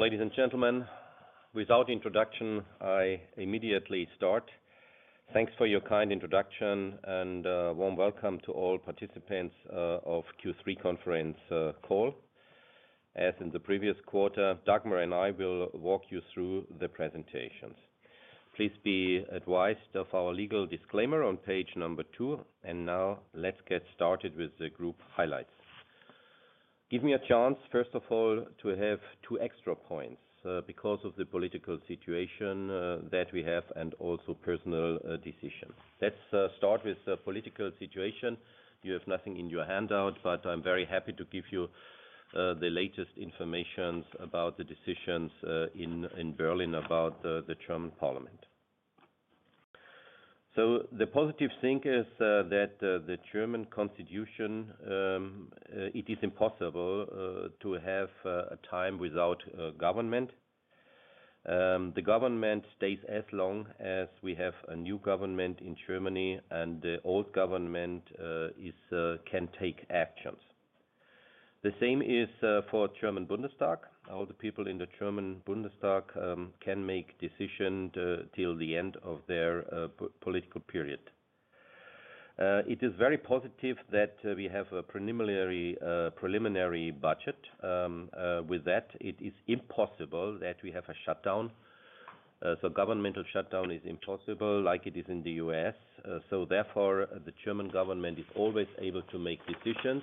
Ladies and gentlemen, without introduction, I immediately start. Thanks for your kind introduction and a warm welcome to all participants of Q3 conference call. As in the previous quarter, Dagmar and I will walk you through the presentations. Please be advised of our legal disclaimer on page number two. Now, let's get started with the group highlights. Give me a chance, first of all, to have two extra points because of the political situation that we have and also personal decisions. Let's start with the political situation. You have nothing in your handout, but I'm very happy to give you the latest information about the decisions in Berlin about the German Parliament. The positive thing is that the German Constitution, it is impossible to have a time without a government. The government stays as long as we have a new government in Germany, and the old government can take actions. The same is for the German Bundestag. All the people in the German Bundestag can make decisions till the end of their political period. It is very positive that we have a preliminary budget. With that, it is impossible that we have a shutdown. So, governmental shutdown is impossible, like it is in the U.S. So, therefore, the German government is always able to make decisions.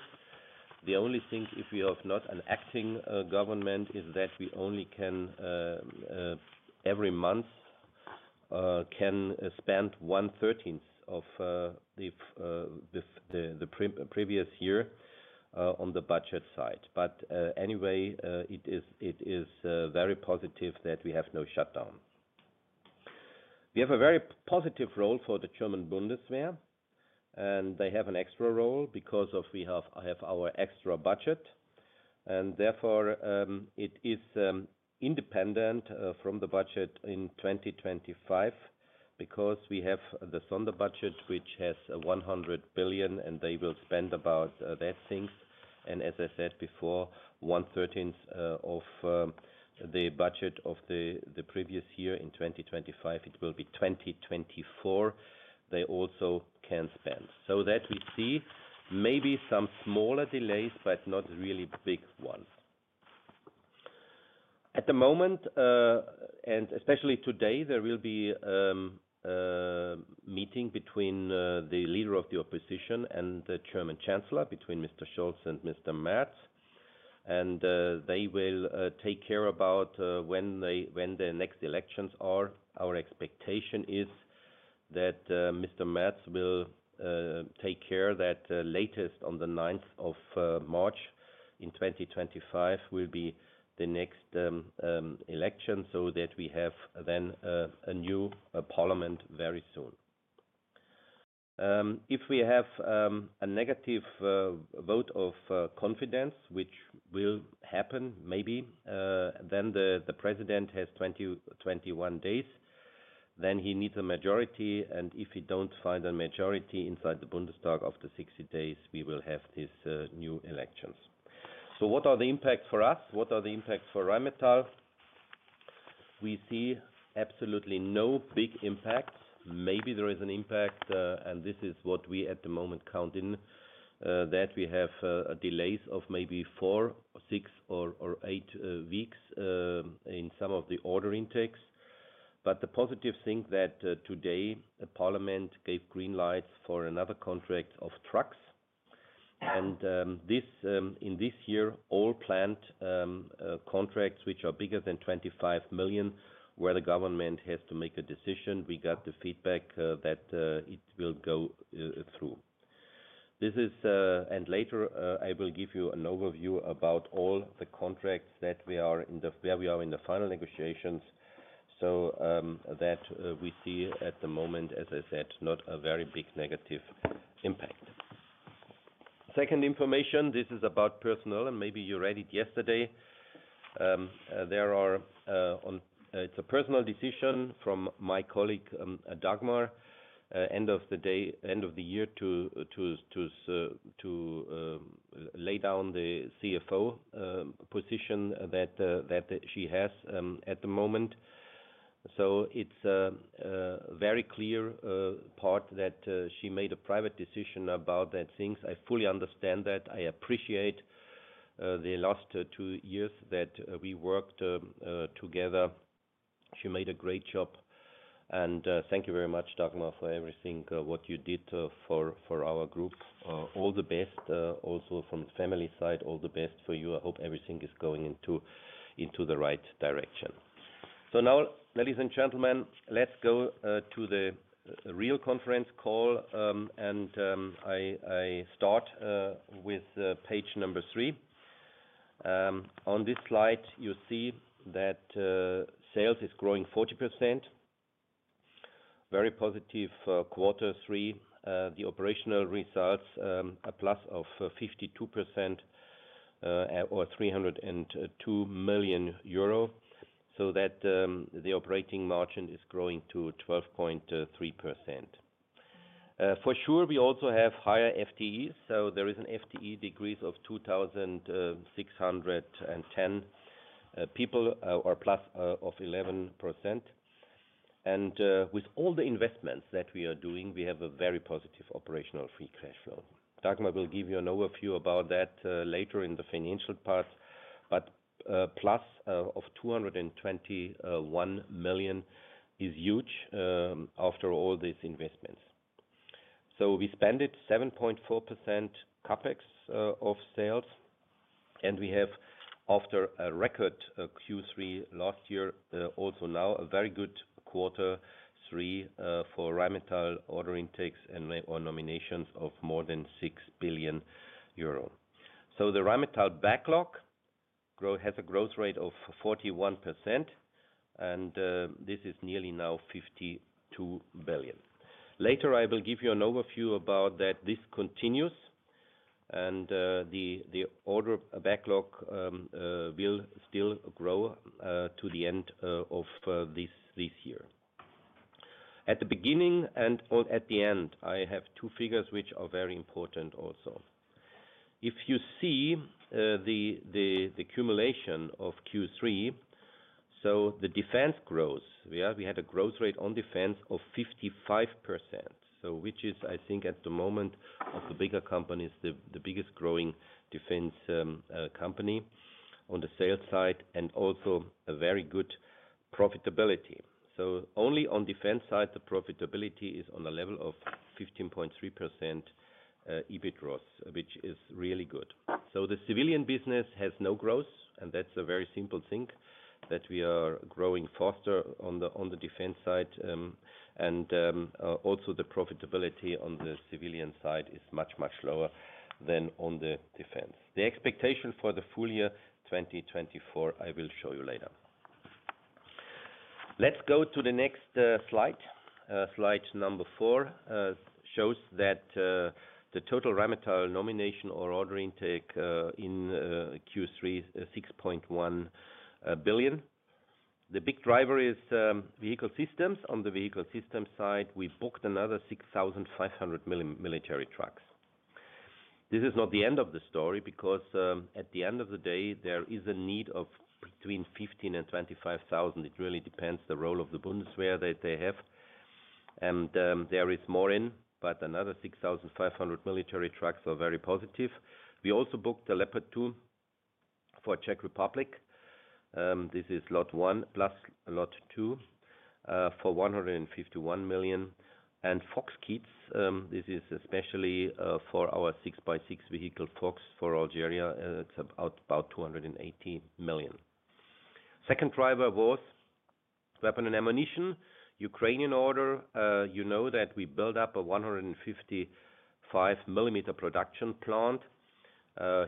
The only thing, if we have not an acting government, is that we only can, every month, spend 1/13 of the previous year on the budget side. But anyway, it is very positive that we have no shutdown. We have a very positive role for the German Bundeswehr, and they have an extra role because we have our extra budget. Therefore, it is independent from the budget in 2025 because we have the Sonder budget, which has 100 billion, and they will spend about that things. As I said before, 1/13 of the budget of the previous year in 2025, it will be 2024. They also can spend so that we see maybe some smaller delays, but not really big ones. At the moment, and especially today, there will be a meeting between the leader of the opposition and the German Chancellor, between Mr. Scholz and Mr. Merz, and they will take care about when the next elections are. Our expectation is that Mr. Merz will take care that latest on the 9th of March in 2025 will be the next election so that we have then a new parliament very soon. If we have a negative vote of confidence, which will happen maybe, then the President has 21 days. Then he needs a majority. And if he doesn't find a majority inside the Bundestag after 60 days, we will have these new elections. So, what are the impacts for us? What are the impacts for Rheinmetall? We see absolutely no big impacts. Maybe there is an impact, and this is what we at the moment count in, that we have delays of maybe four, six, or eight weeks in some of the order intakes. But the positive thing that today Parliament gave green lights for another contract of trucks. And in this year, all planned contracts, which are bigger than 25 million, where the government has to make a decision, we got the feedback that it will go through. This is, and later I will give you an overview about all the contracts that we are in the final negotiations. So that we see at the moment, as I said, not a very big negative impact. Second information, this is about personnel, and maybe you read it yesterday. There are, it's a personal decision from my colleague Dagmar, end of the year to lay down the CFO position that she has at the moment. So it's a very clear part that she made a private decision about that things. I fully understand that. I appreciate the last two years that we worked together. She made a great job. And thank you very much, Dagmar, for everything what you did for our group. All the best, also from the family side, all the best for you. I hope everything is going into the right direction. So now, ladies and gentlemen, let's go to the real conference call and I start with page number three. On this slide, you see that sales is growing 40%. Very positive quarter three. The operational results are plus of 52% or 302 million euro. So that the operating margin is growing to 12.3%. For sure, we also have higher FTEs, so there is an FTE decrease of 2,610 people or plus of 11%. And with all the investments that we are doing, we have a very positive operational free cash flow. Dagmar will give you an overview about that later in the financial part, but plus of 221 million is huge after all these investments. So we spend it 7.4% CapEx of sales. We have, after a record Q3 last year, also now a very good quarter three for Rheinmetall order intakes and nominations of more than 6 billion euro. So the Rheinmetall backlog has a growth rate of 41%. And this is nearly now 52 billion. Later, I will give you an overview about that. This continues. And the order backlog will still grow to the end of this year. At the beginning and at the end, I have two figures which are very important also. If you see the accumulation of Q3, so the defense grows. We had a growth rate on defense of 55%, which is, I think, at the moment of the bigger companies, the biggest growing defense company on the sales side and also a very good profitability. So only on defense side, the profitability is on a level of 15.3% EBITDA, which is really good. So the civilian business has no growth. And that's a very simple thing that we are growing faster on the defense side. And also the profitability on the civilian side is much, much lower than on the defense. The expectation for the full year 2024, I will show you later. Let's go to the next slide. Slide number four shows that the total Rheinmetall nomination or order intake in Q3 is 6.1 billion. The big driver is vehicle systems. On the vehicle systems side, we booked another 6,500 military trucks. This is not the end of the story because at the end of the day, there is a need of between 15,000 and 25,000. It really depends on the role of the Bundeswehr that they have. And there is more in, but another 6,500 military trucks are very positive. We also booked a Leopard 2 for Czech Republic. This is lot one, plus lot two for 151 million. Fuchs kits, this is especially for our 6x6 vehicle Fuchs for Algeria. It's about 280 million. Second driver was weapon and ammunition, Ukrainian order. You know that we built up a 155 mm production plant.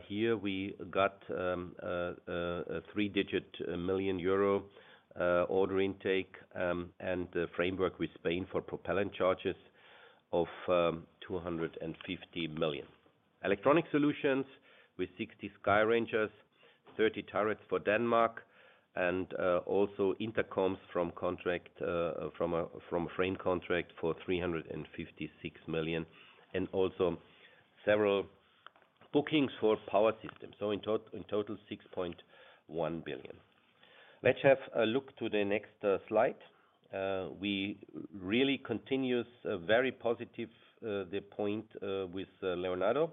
Here we got a three-digit million Euro order intake and the framework with Spain for propellant charges of 250 million. Electronic solutions with 60 Skyrangers, 30 turrets for Denmark, and also intercoms from contract, from a frame contract for 356 million. Also several bookings for power systems. In total, 6.1 billion. Let's have a look to the next slide. We really continued a very positive point with Leonardo.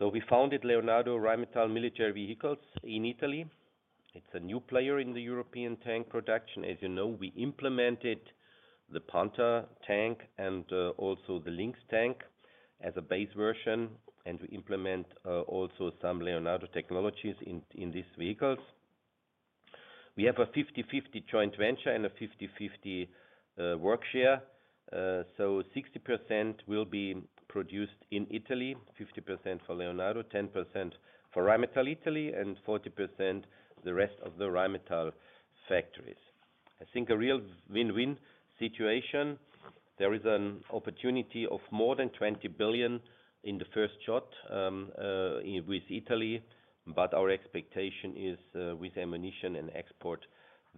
We founded Leonardo Rheinmetall Military Vehicles in Italy. It's a new player in the European tank production. As you know, we implemented the Panther tank and also the Lynx tank as a base version, and we implement also some Leonardo technologies in these vehicles. We have a 50/50 joint venture and a 50/50 work share, so 60% will be produced in Italy, 50% for Leonardo, 10% for Rheinmetall Italy, and 40% the rest of the Rheinmetall factories. I think a real win-win situation. There is an opportunity of more than 20 billion in the first shot with Italy. But our expectation is with ammunition and export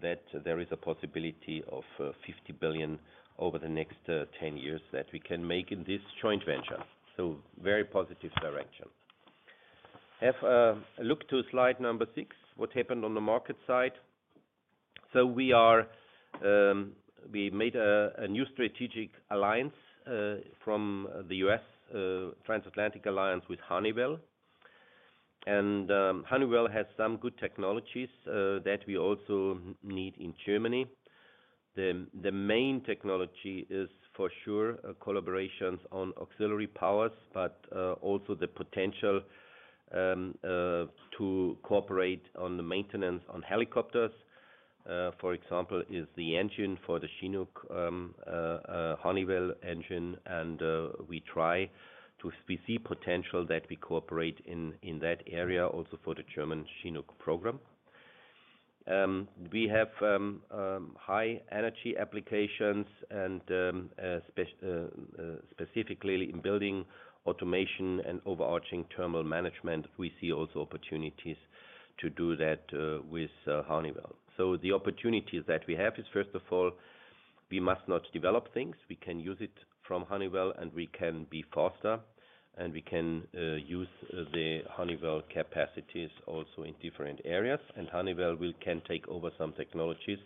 that there is a possibility of 50 billion over the next 10 years that we can make in this joint venture, so very positive direction. Have a look to slide number 6, what happened on the market side. So we made a new strategic alliance from the U.S., Transatlantic Alliance with Honeywell. Honeywell has some good technologies that we also need in Germany. The main technology is for sure collaborations on auxiliary powers, but also the potential to cooperate on the maintenance on helicopters. For example, is the engine for the Chinook Honeywell engine. We try to see potential that we cooperate in that area also for the German Chinook program. We have high energy applications and specifically in building automation and overarching thermal management. We see also opportunities to do that with Honeywell. The opportunities that we have is, first of all, we must not develop things. We can use it from Honeywell, and we can be faster. We can use the Honeywell capacities also in different areas. Honeywell can take over some technologies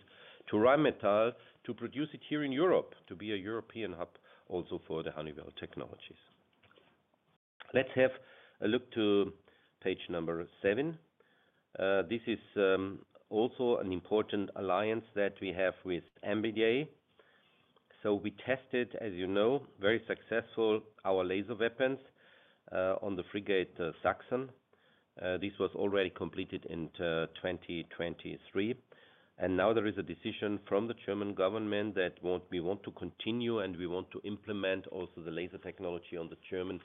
to Rheinmetall to produce it here in Europe, to be a European hub also for the Honeywell technologies. Let's have a look to page number seven. This is also an important alliance that we have with MBDA. So we tested, as you know, very successful our laser weapons on the frigate Sachsen. This was already completed in 2023. And now there is a decision from the German government that we want to continue, and we want to implement also the laser technology on the German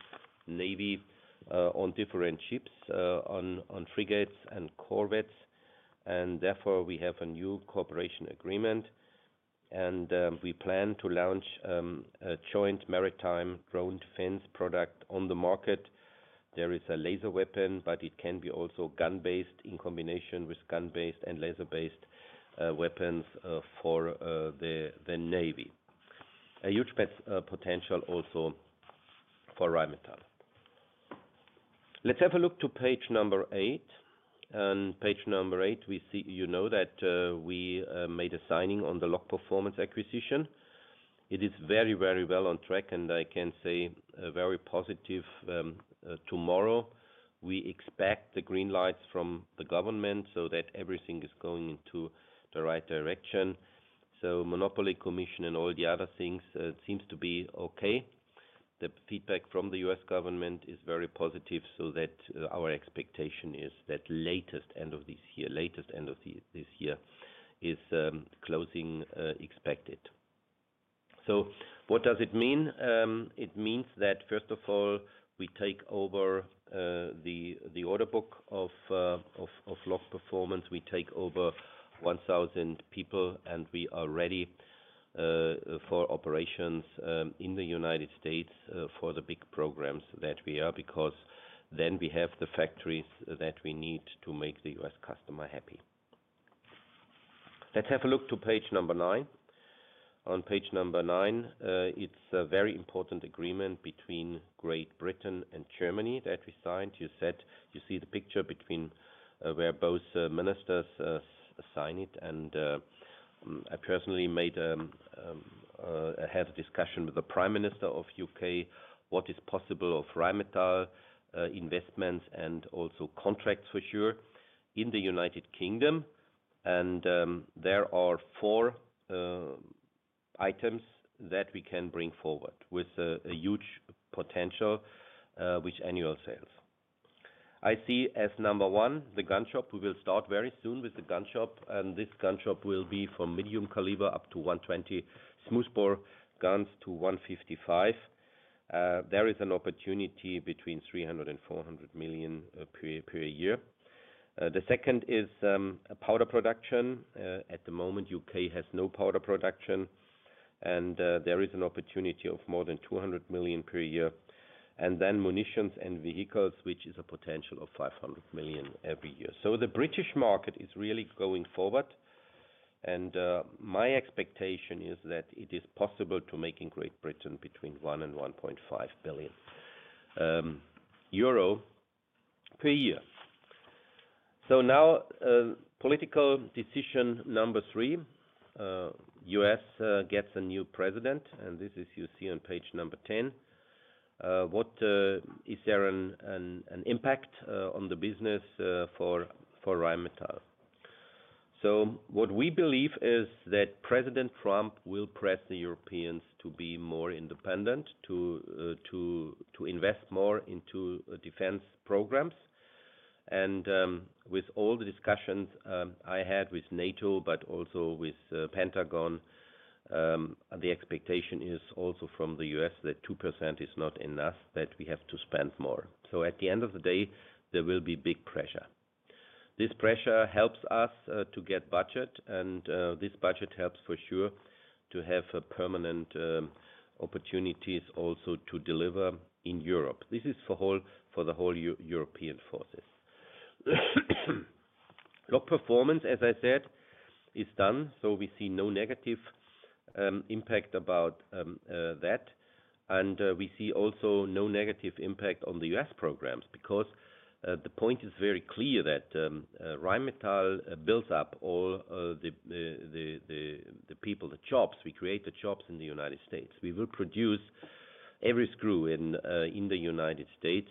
Navy on different ships, on frigates and corvettes. And therefore, we have a new cooperation agreement. And we plan to launch a joint maritime drone defense product on the market. There is a laser weapon, but it can be also gun-based in combination with gun-based and laser-based weapons for the Navy. A huge potential also for Rheinmetall. Let's have a look to page number eight. And page number eight, you know that we made a signing on the Loc Performance acquisition. It is very, very well on track, and I can say very positive tomorrow. We expect the green lights from the government so that everything is going into the right direction. So monopoly commission and all the other things, it seems to be okay. The feedback from the U.S. government is very positive. So that our expectation is that latest end of this year, latest end of this year is closing expected. So what does it mean? It means that, first of all, we take over the order book of Loc Performance. We take over 1,000 people, and we are ready for operations in the United States for the big programs that we are because then we have the factories that we need to make the U.S. customer happy. Let's have a look to page number nine. On page number nine, it's a very important agreement between Great Britain and Germany that we signed. You see the picture between where both ministers sign it. And I personally had a discussion with the Prime Minister of the U.K. what is possible of Rheinmetall investments and also contracts for sure in the United Kingdom. And there are four items that we can bring forward with a huge potential, which annual sales. I see as number one, the gun shop. We will start very soon with the gun shop. And this gun shop will be from medium caliber up to 120 smoothbore guns to 155. There is an opportunity between 300 million and 400 million per year. The second is powder production. At the moment, U.K. has no powder production. And there is an opportunity of more than 200 million per year. Then munitions and vehicles, which is a potential of 500 million every year. The British market is really going forward. My expectation is that it is possible to make in Great Britain between 1 billion and 1.5 billion euro per year. Now, political decision number three, the U.S. gets a new president. This is, you see on page 10, what is there an impact on the business for Rheinmetall. What we believe is that President Trump will press the Europeans to be more independent, to invest more into defense programs. With all the discussions I had with NATO, but also with the Pentagon, the expectation is also from the U.S. that 2% is not enough, that we have to spend more. At the end of the day, there will be big pressure. This pressure helps us to get budget. And this budget helps for sure to have permanent opportunities also to deliver in Europe. This is for the whole European forces. Loc Performance, as I said, is done. So we see no negative impact about that. And we see also no negative impact on the U.S. programs because the point is very clear that Rheinmetall builds up all the people, the jobs. We create the jobs in the United States. We will produce every screw in the United States.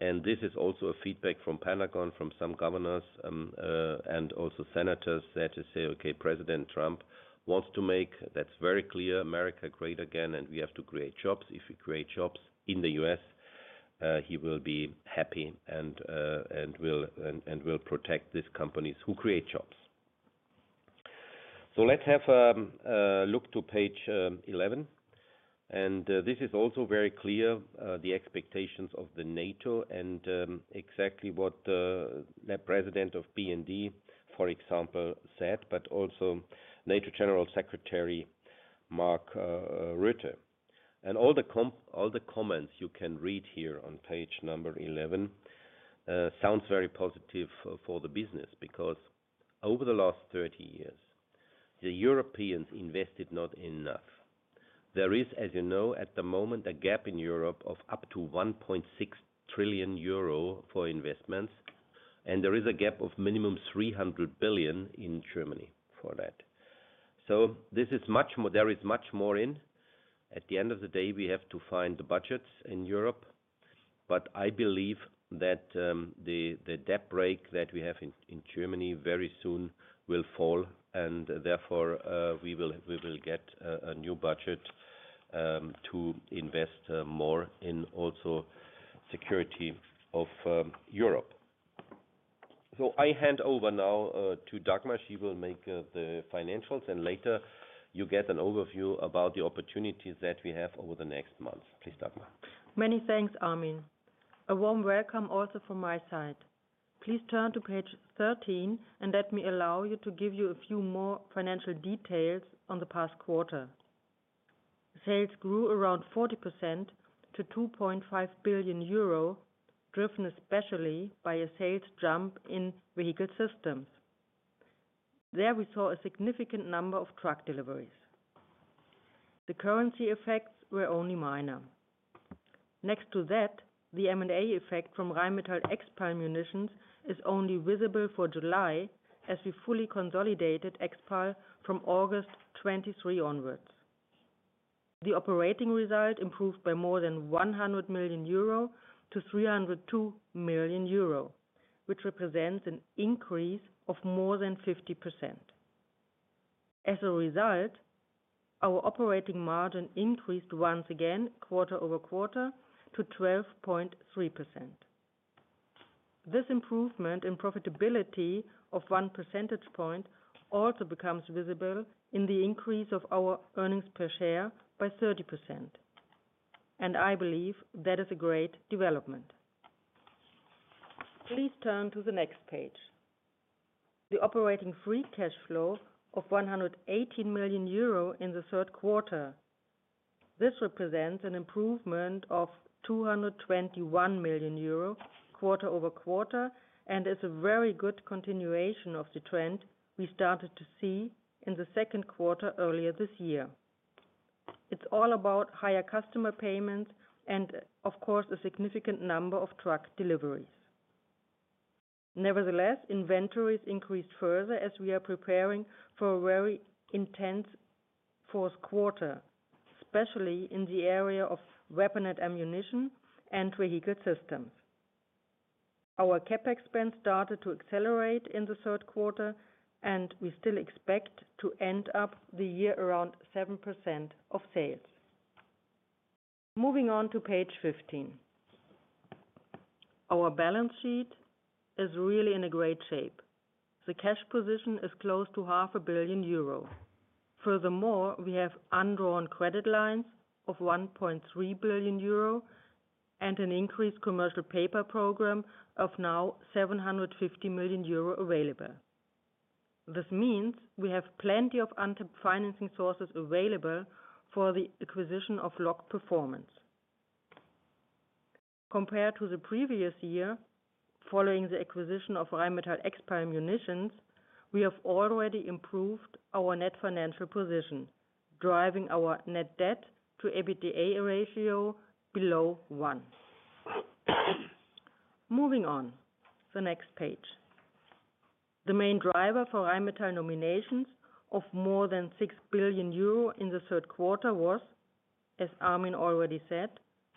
And this is also a feedback from Pentagon, from some governors and also senators that say, "Okay, President Trump wants to make." That's very clear. America great again. And we have to create jobs. If we create jobs in the U.S., he will be happy and will protect these companies who create jobs. So let's have a look to page 11. This is also very clear, the expectations of NATO and exactly what the president of BND, for example, said, but also NATO General Secretary Mark Rutte. All the comments you can read here on page 11 sound very positive for the business because over the last 30 years, the Europeans invested not enough. There is, as you know, at the moment, a gap in Europe of up to 1.6 trillion euro for investments. There is a gap of minimum 300 billion in Germany for that. So there is much more in. At the end of the day, we have to find the budgets in Europe. But I believe that the debt brake that we have in Germany very soon will fall. Therefore, we will get a new budget to invest more in also security of Europe. So I hand over now to Dagmar. She will make the financials. And later, you get an overview about the opportunities that we have over the next month. Please, Dagmar. Many thanks, Armin. A warm welcome also from my side. Please turn to page 13 and let me allow you to give you a few more financial details on the past quarter. Sales grew around 40% to 2.5 billion euro, driven especially by a sales jump in vehicle systems. There we saw a significant number of truck deliveries. The currency effects were only minor. Next to that, the M&A effect from Rheinmetall Expal Munitions is only visible for July as we fully consolidated Expal from August 23 onwards. The operating result improved by more than 100 million euro to 302 million euro, which represents an increase of more than 50%. As a result, our operating margin increased once again quarter-over-quarter to 12.3%. This improvement in profitability of 1 percentage point also becomes visible in the increase of our earnings per share by 30%. And I believe that is a great development. Please turn to the next page. The operating free cash flow of 118 million euro in the third quarter. This represents an improvement of 221 million euro quarter-over-quarter and is a very good continuation of the trend we started to see in the second quarter earlier this year. It's all about higher customer payments and, of course, a significant number of truck deliveries. Nevertheless, inventories increased further as we are preparing for a very intense fourth quarter, especially in the area of weapon and ammunition and vehicle systems. Our CapEx started to accelerate in the third quarter, and we still expect to end up the year around 7% of sales. Moving on to page 15. Our balance sheet is really in a great shape. The cash position is close to 500 million euro. Furthermore, we have undrawn credit lines of 1.3 billion euro and an increased commercial paper program of now 750 million euro available. This means we have plenty of financing sources available for the acquisition of Loc Performance. Compared to the previous year, following the acquisition of Rheinmetall Expal Munitions, we have already improved our net financial position, driving our net debt to EBITDA ratio below one. Moving on to the next page. The main driver for Rheinmetall nominations of more than 6 billion euro in the third quarter was, as Armin already said,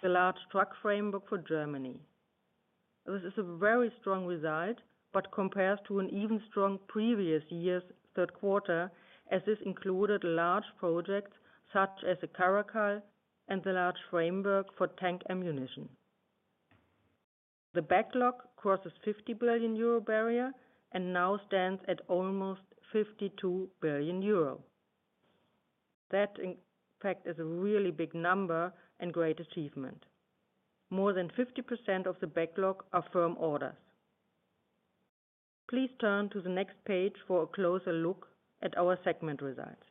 the large truck framework for Germany. This is a very strong result, but compares to an even stronger previous year's third quarter, as this included large projects such as the Caracal and the large framework for tank ammunition. The backlog crosses 50 billion euro barrier and now stands at almost 52 billion euro. That, in fact, is a really big number and great achievement. More than 50% of the backlog are firm orders. Please turn to the next page for a closer look at our segment results.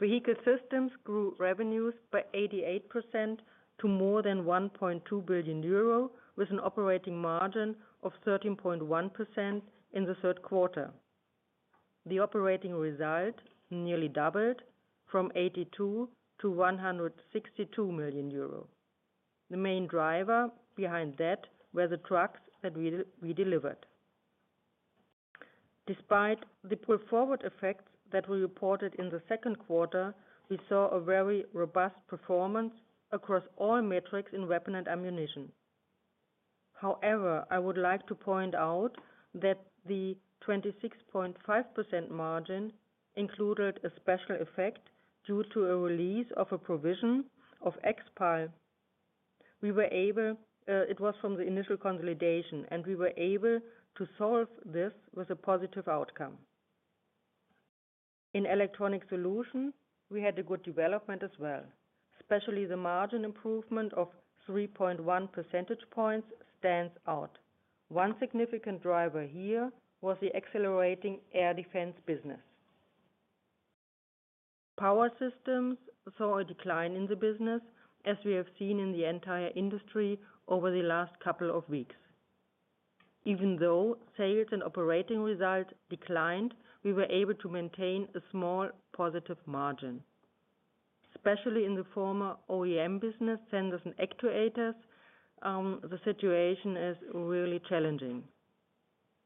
Vehicle systems grew revenues by 88% to more than 1.2 billion euro with an operating margin of 13.1% in the third quarter. The operating result nearly doubled from 82 million to 162 million euro. The main driver behind that were the trucks that we delivered. Despite the pull forward effects that we reported in the second quarter, we saw a very robust performance across all metrics in weapon and ammunition. However, I would like to point out that the 26.5% margin included a special effect due to a release of a provision of Expal. It was from the initial consolidation, and we were able to solve this with a positive outcome. In electronics solutions, we had a good development as well. Especially the margin improvement of 3.1 percentage points stands out. One significant driver here was the accelerating air defense business. Power systems saw a decline in the business, as we have seen in the entire industry over the last couple of weeks. Even though sales and operating result declined, we were able to maintain a small positive margin. Especially in the former OEM business, sensors and actuators, the situation is really challenging.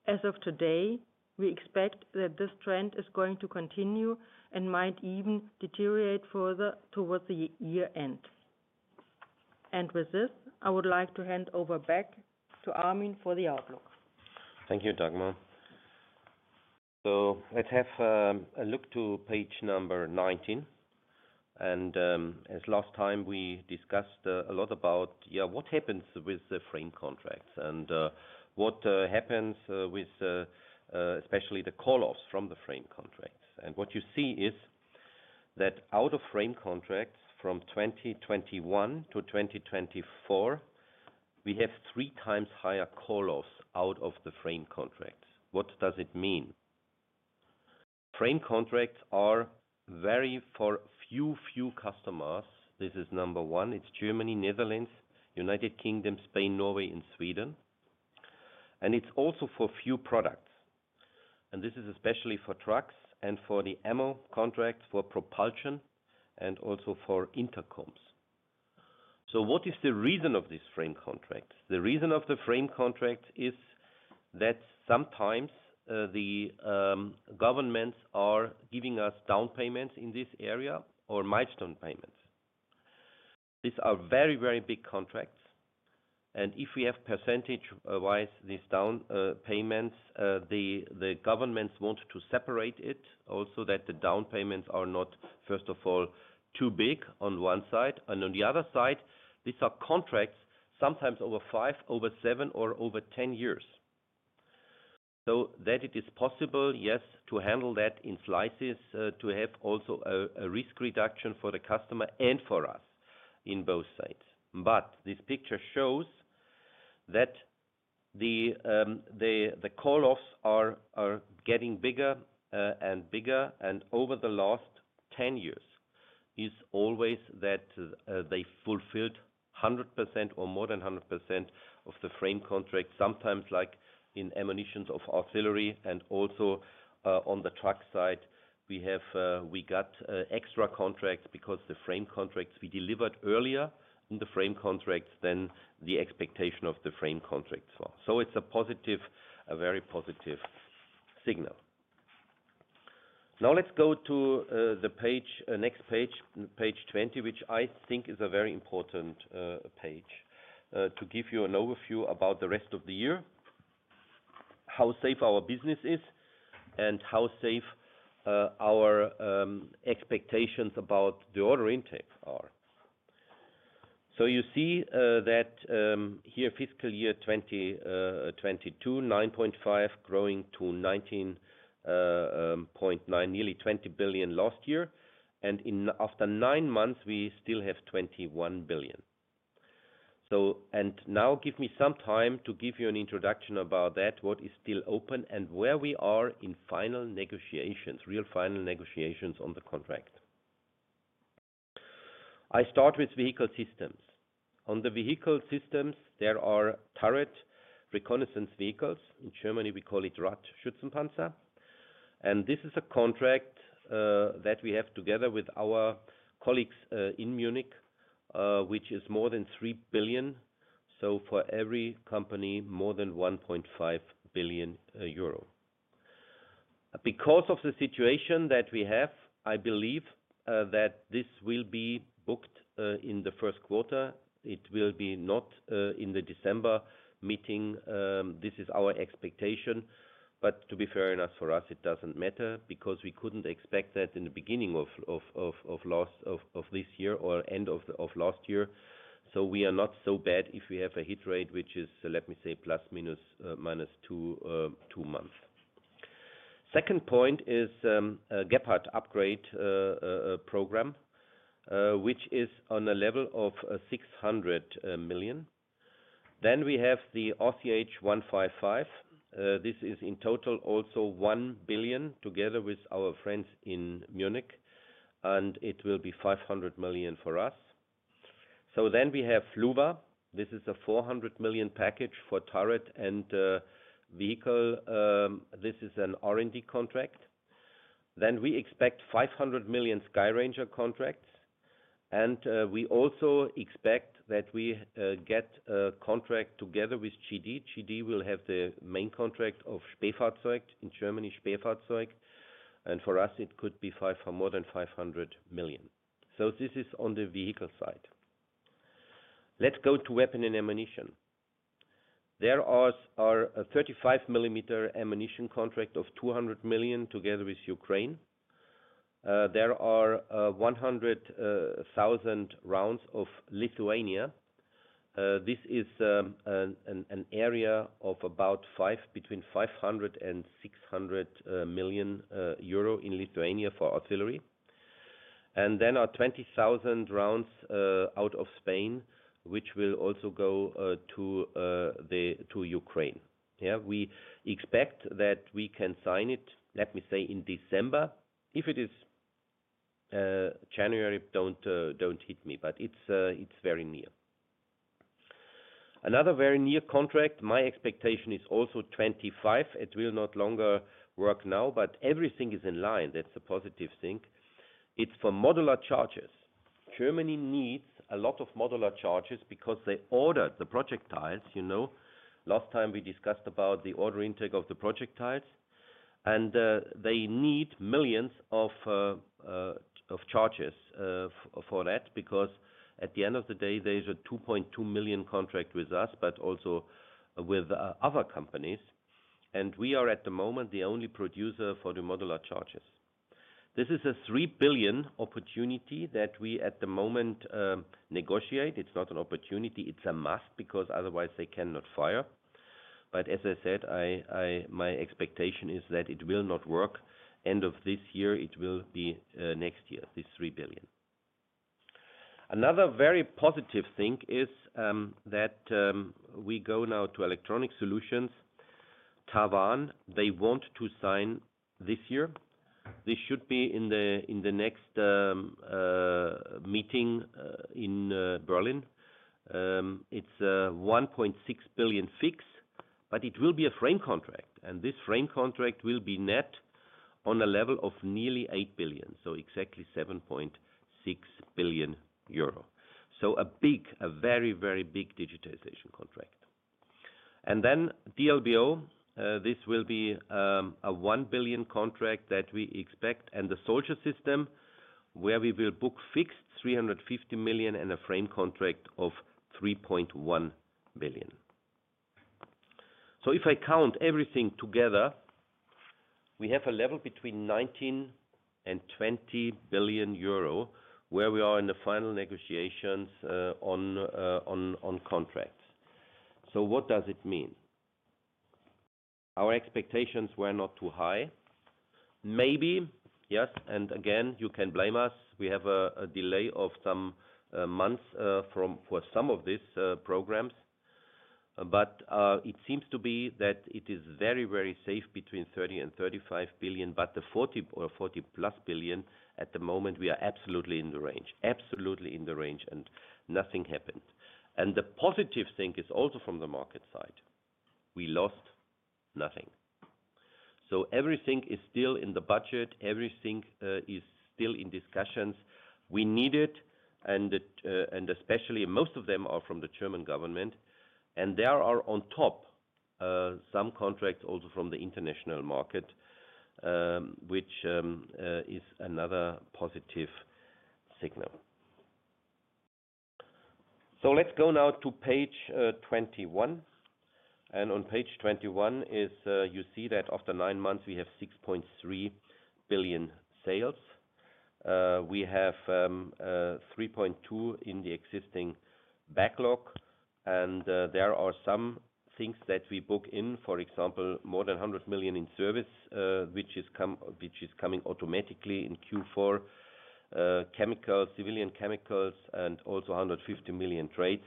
As of today, we expect that this trend is going to continue and might even deteriorate further towards the year end, and with this, I would like to hand over back to Armin for the outlook. Thank you, Dagmar, so let's have a look to page number 19. And as last time, we discussed a lot about what happens with the frame contracts and what happens with especially the call-offs from the frame contracts. And what you see is that out of frame contracts from 2021 to 2024, we have 3x higher call-offs out of the frame contracts. What does it mean? Frame contracts are very few for few customers. This is number one. It's Germany, Netherlands, United Kingdom, Spain, Norway, and Sweden. And it's also for few products. And this is especially for trucks and for the ammo contracts for propellant and also for intercoms. So what is the reason of this frame contract? The reason of the frame contract is that sometimes the governments are giving us down payments in this area or milestone payments. These are very, very big contracts. And if we have percentage-wise these down payments, the governments want to separate it also that the down payments are not, first of all, too big on one side. And on the other side, these are contracts sometimes over five, over seven, or over 10 years. So that it is possible, yes, to handle that in slices, to have also a risk reduction for the customer and for us in both sides. But this picture shows that the call-offs are getting bigger and bigger. And over the last 10 years, it's always that they fulfilled 100% or more than 100% of the frame contracts, sometimes like in ammunitions of artillery. And also on the truck side, we got extra contracts because the frame contracts we delivered earlier in the frame contracts than the expectation of the frame contracts were. So it's a positive, a very positive signal. Now let's go to the next page, page 20, which I think is a very important page to give you an overview about the rest of the year, how safe our business is, and how safe our expectations about the order intake are. So you see that here, fiscal year 2022, 9.5 billion growing to 19.9 billion, nearly 20 billion last year. And after nine months, we still have 21 billion. And now give me some time to give you an introduction about that, what is still open and where we are in final negotiations, real final negotiations on the contract. I start with vehicle systems. On the vehicle systems, there are turret reconnaissance vehicles. In Germany, we call it Radschützenpanzer. And this is a contract that we have together with our colleagues in Munich, which is more than 3 billion. So for every company, more than 1.5 billion euro. Because of the situation that we have, I believe that this will be booked in the first quarter. It will be not in the December meeting. This is our expectation. But to be fair enough, for us, it doesn't matter because we couldn't expect that in the beginning of this year or end of last year. So we are not so bad if we have a hit rate, which is, let me say, plus minus two months. Second point is a Gepard upgrade program, which is on a level of 600 million. Then we have the RCH 155. This is in total also 1 billion together with our friends in Munich. And it will be 500 million for us. So then we have LuWa. This is a 400 million package for turret and vehicle. This is an R&D contract. Then we expect 500 million Skyranger contracts. We also expect that we get a contract together with GD. GD will have the main contract of Spähfahrzeug in Germany, Spähfahrzeug. For us, it could be more than 500 million. This is on the vehicle side. Let's go to weapon and ammunition. There is a 35 mm ammunition contract of 200 million together with Ukraine. There are 100,000 rounds for Lithuania. This is an area of about between 500 million euro and 600 million euro in Lithuania for artillery. And then our 20,000 rounds out of Spain, which will also go to Ukraine. We expect that we can sign it, let me say, in December. If it is January, don't hit me, but it's very near. Another very near contract, my expectation is also 2025. It will no longer work now, but everything is in line. That's a positive thing. It's for modular charges. Germany needs a lot of modular charges because they ordered the projectiles. Last time, we discussed about the order intake of the projectiles, and they need millions of charges for that because at the end of the day, there's a 2.2 million contract with us, but also with other companies, and we are at the moment the only producer for the modular charges. This is a 3 billion opportunity that we at the moment negotiate. It's not an opportunity. It's a must because otherwise they cannot fire, but as I said, my expectation is that it will not work. End of this year, it will be next year, this 3 billion. Another very positive thing is that we go now to electronic solutions. TaWAN, they want to sign this year. This should be in the next meeting in Berlin. It's a 1.6 billion fix, but it will be a frame contract. This frame contract will be net on a level of nearly 8 billion, so exactly 7.6 billion euro. It's a big, a very, very big digitization contract. Then D-LBO, this will be a 1 billion contract that we expect. The soldier system, where we will book fixed 350 million and a frame contract of 3.1 billion. If I count everything together, we have a level between 19 billion and 20 billion euro where we are in the final negotiations on contracts. What does it mean? Our expectations were not too high. Maybe, yes. Again, you can blame us. We have a delay of some months for some of these programs. It seems to be that it is very, very safe between 30 billion and 35 billion, but the 40 billion or 40+ billion at the moment. We are absolutely in the range, absolutely in the range, and nothing happened. The positive thing is also from the market side. We lost nothing. Everything is still in the budget. Everything is still in discussions. We need it, and especially most of them are from the German government. There are on top some contracts also from the international market, which is another positive signal. Let's go now to page 21. On page 21, you see that after nine months, we have 6.3 billion sales. We have 3.2 billion in the existing backlog. And there are some things that we book in, for example, more than 100 million in service, which is coming automatically in Q4, chemicals, civilian chemicals, and also 150 million trades.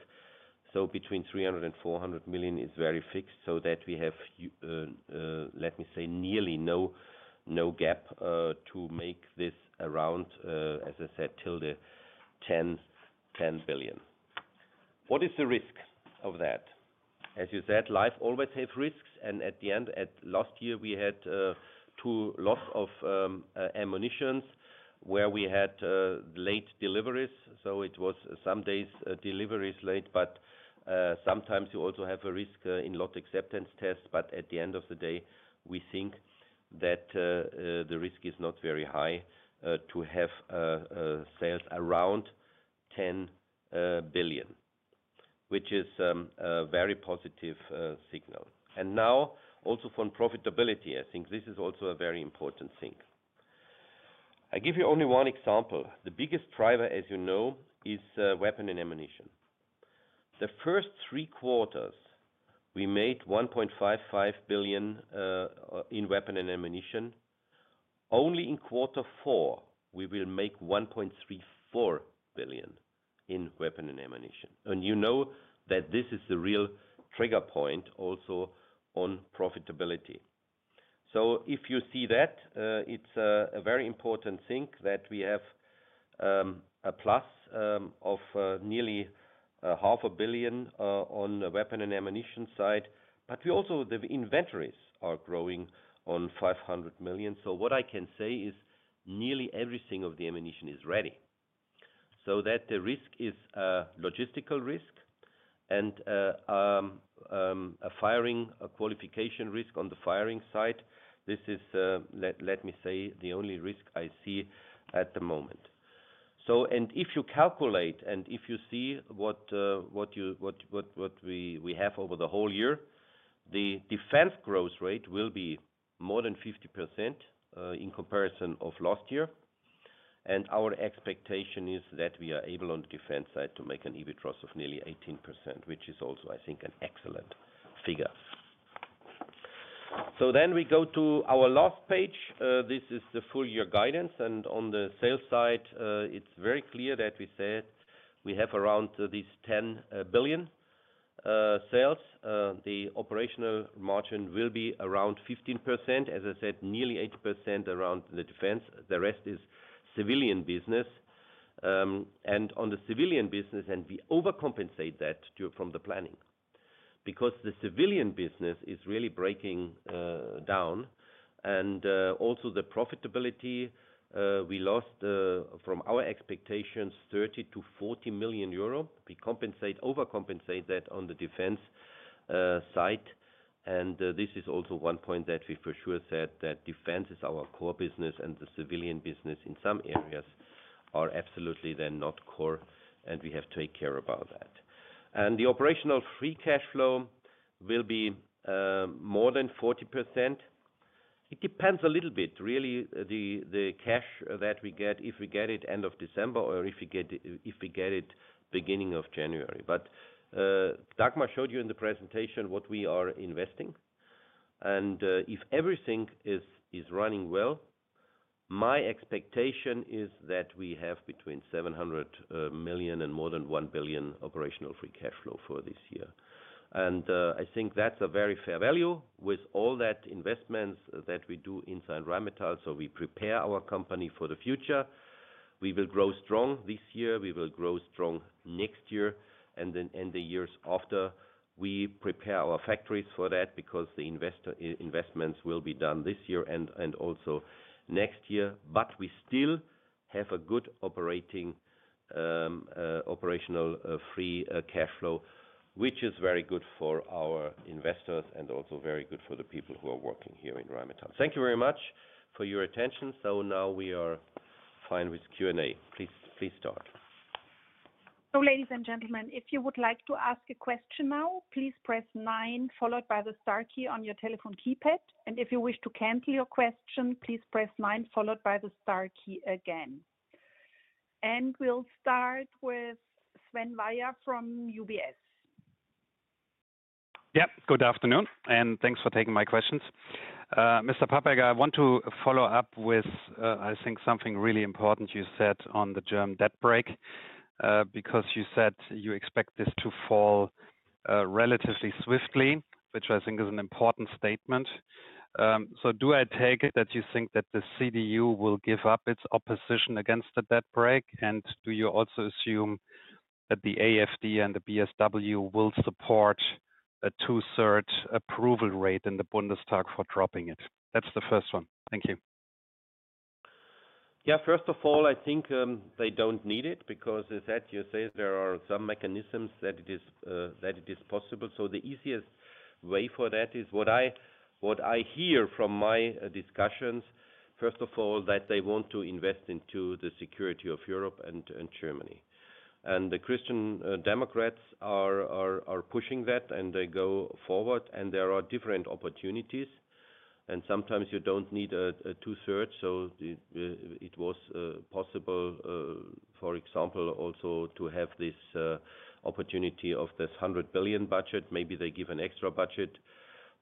So between 300 million and 400 million is very fixed so that we have, let me say, nearly no gap to make this around, as I said, till the 10 billion. What is the risk of that? As you said, life always has risks. And at the end, last year, we had two lots of ammunition where we had late deliveries. So it was some days deliveries late, but sometimes you also have a risk in lot acceptance tests. But at the end of the day, we think that the risk is not very high to have sales around 10 billion, which is a very positive signal. Now also for profitability, I think this is also a very important thing. I give you only one example. The biggest driver, as you know, is weapon and ammunition. The first three quarters, we made 1.55 billion in weapon and ammunition. Only in quarter four, we will make 1.34 billion in weapon and ammunition. And you know that this is the real trigger point also on profitability. So if you see that, it's a very important thing that we have a plus of nearly 500 million on the weapon and ammunition side. But we also, the inventories are growing on 500 million. So what I can say is nearly everything of the ammunition is ready. So that the risk is a logistical risk and a firing qualification risk on the firing side. This is, let me say, the only risk I see at the moment. If you calculate and if you see what we have over the whole year, the defense growth rate will be more than 50% in comparison to last year. Our expectation is that we are able on the defense side to make an EBITDA of nearly 18%, which is also, I think, an excellent figure. Then we go to our last page. This is the full year guidance. On the sales side, it's very clear that we said we have around 10 billion sales. The operational margin will be around 15%, as I said, nearly 8% around the defense. The rest is civilian business. On the civilian business, we overcompensate that from the planning because the civilian business is really breaking down. Also the profitability, we lost from our expectations 30 million-40 million euro. We overcompensate that on the defense side. This is also one point that we for sure said that defense is our core business and the civilian business in some areas are absolutely then not core. We have to take care about that. The operational free cash flow will be more than 40%. It depends a little bit, really, the cash that we get, if we get it end of December or if we get it beginning of January. But Dagmar showed you in the presentation what we are investing. If everything is running well, my expectation is that we have between 700 million and more than 1 billion operational free cash flow for this year. I think that's a very fair value with all that investments that we do inside Rheinmetall. We prepare our company for the future. We will grow strong this year. We will grow strong next year and the years after. We prepare our factories for that because the investments will be done this year and also next year. But we still have a good operational free cash flow, which is very good for our investors and also very good for the people who are working here in Rheinmetall. Thank you very much for your attention. So now we are fine with Q&A. Please start. So ladies and gentlemen, if you would like to ask a question now, please press nine followed by the star key on your telephone keypad. And if you wish to cancel your question, please press nine followed by the star key again. And we'll start with Sven Weier from UBS. Yep. Good afternoon. And thanks for taking my questions. Mr. Papperger, I want to follow up with, I think, something really important you said on the German debt brake because you said you expect this to fall relatively swiftly, which I think is an important statement. So do I take it that you think that the CDU will give up its opposition against the debt brake? And do you also assume that the AfD and the BSW will support a 2/3 approval rate in the Bundestag for dropping it? That's the first one. Thank you. Yeah. First of all, I think they don't need it because, as you said, there are some mechanisms that it is possible. So the easiest way for that is what I hear from my discussions. First of all, that they want to invest into the security of Europe and Germany. And the Christian Democrats are pushing that, and they go forward. There are different opportunities. Sometimes you don't need a 2/3. It was possible, for example, also to have this opportunity of this 100 billion budget. Maybe they give an extra budget.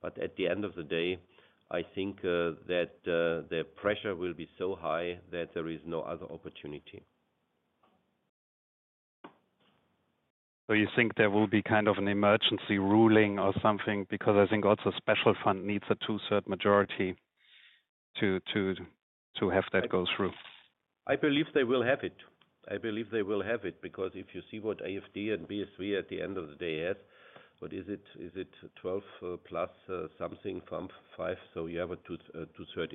At the end of the day, I think that the pressure will be so high that there is no other opportunity. You think there will be kind of an emergency ruling or something because I think also a special fund needs a 2/3 majority to have that go through? I believe they will have it. I believe they will have it because if you see what AfD and BSW at the end of the day have, what is it? Is it 12+ something from 5? You have a 2/3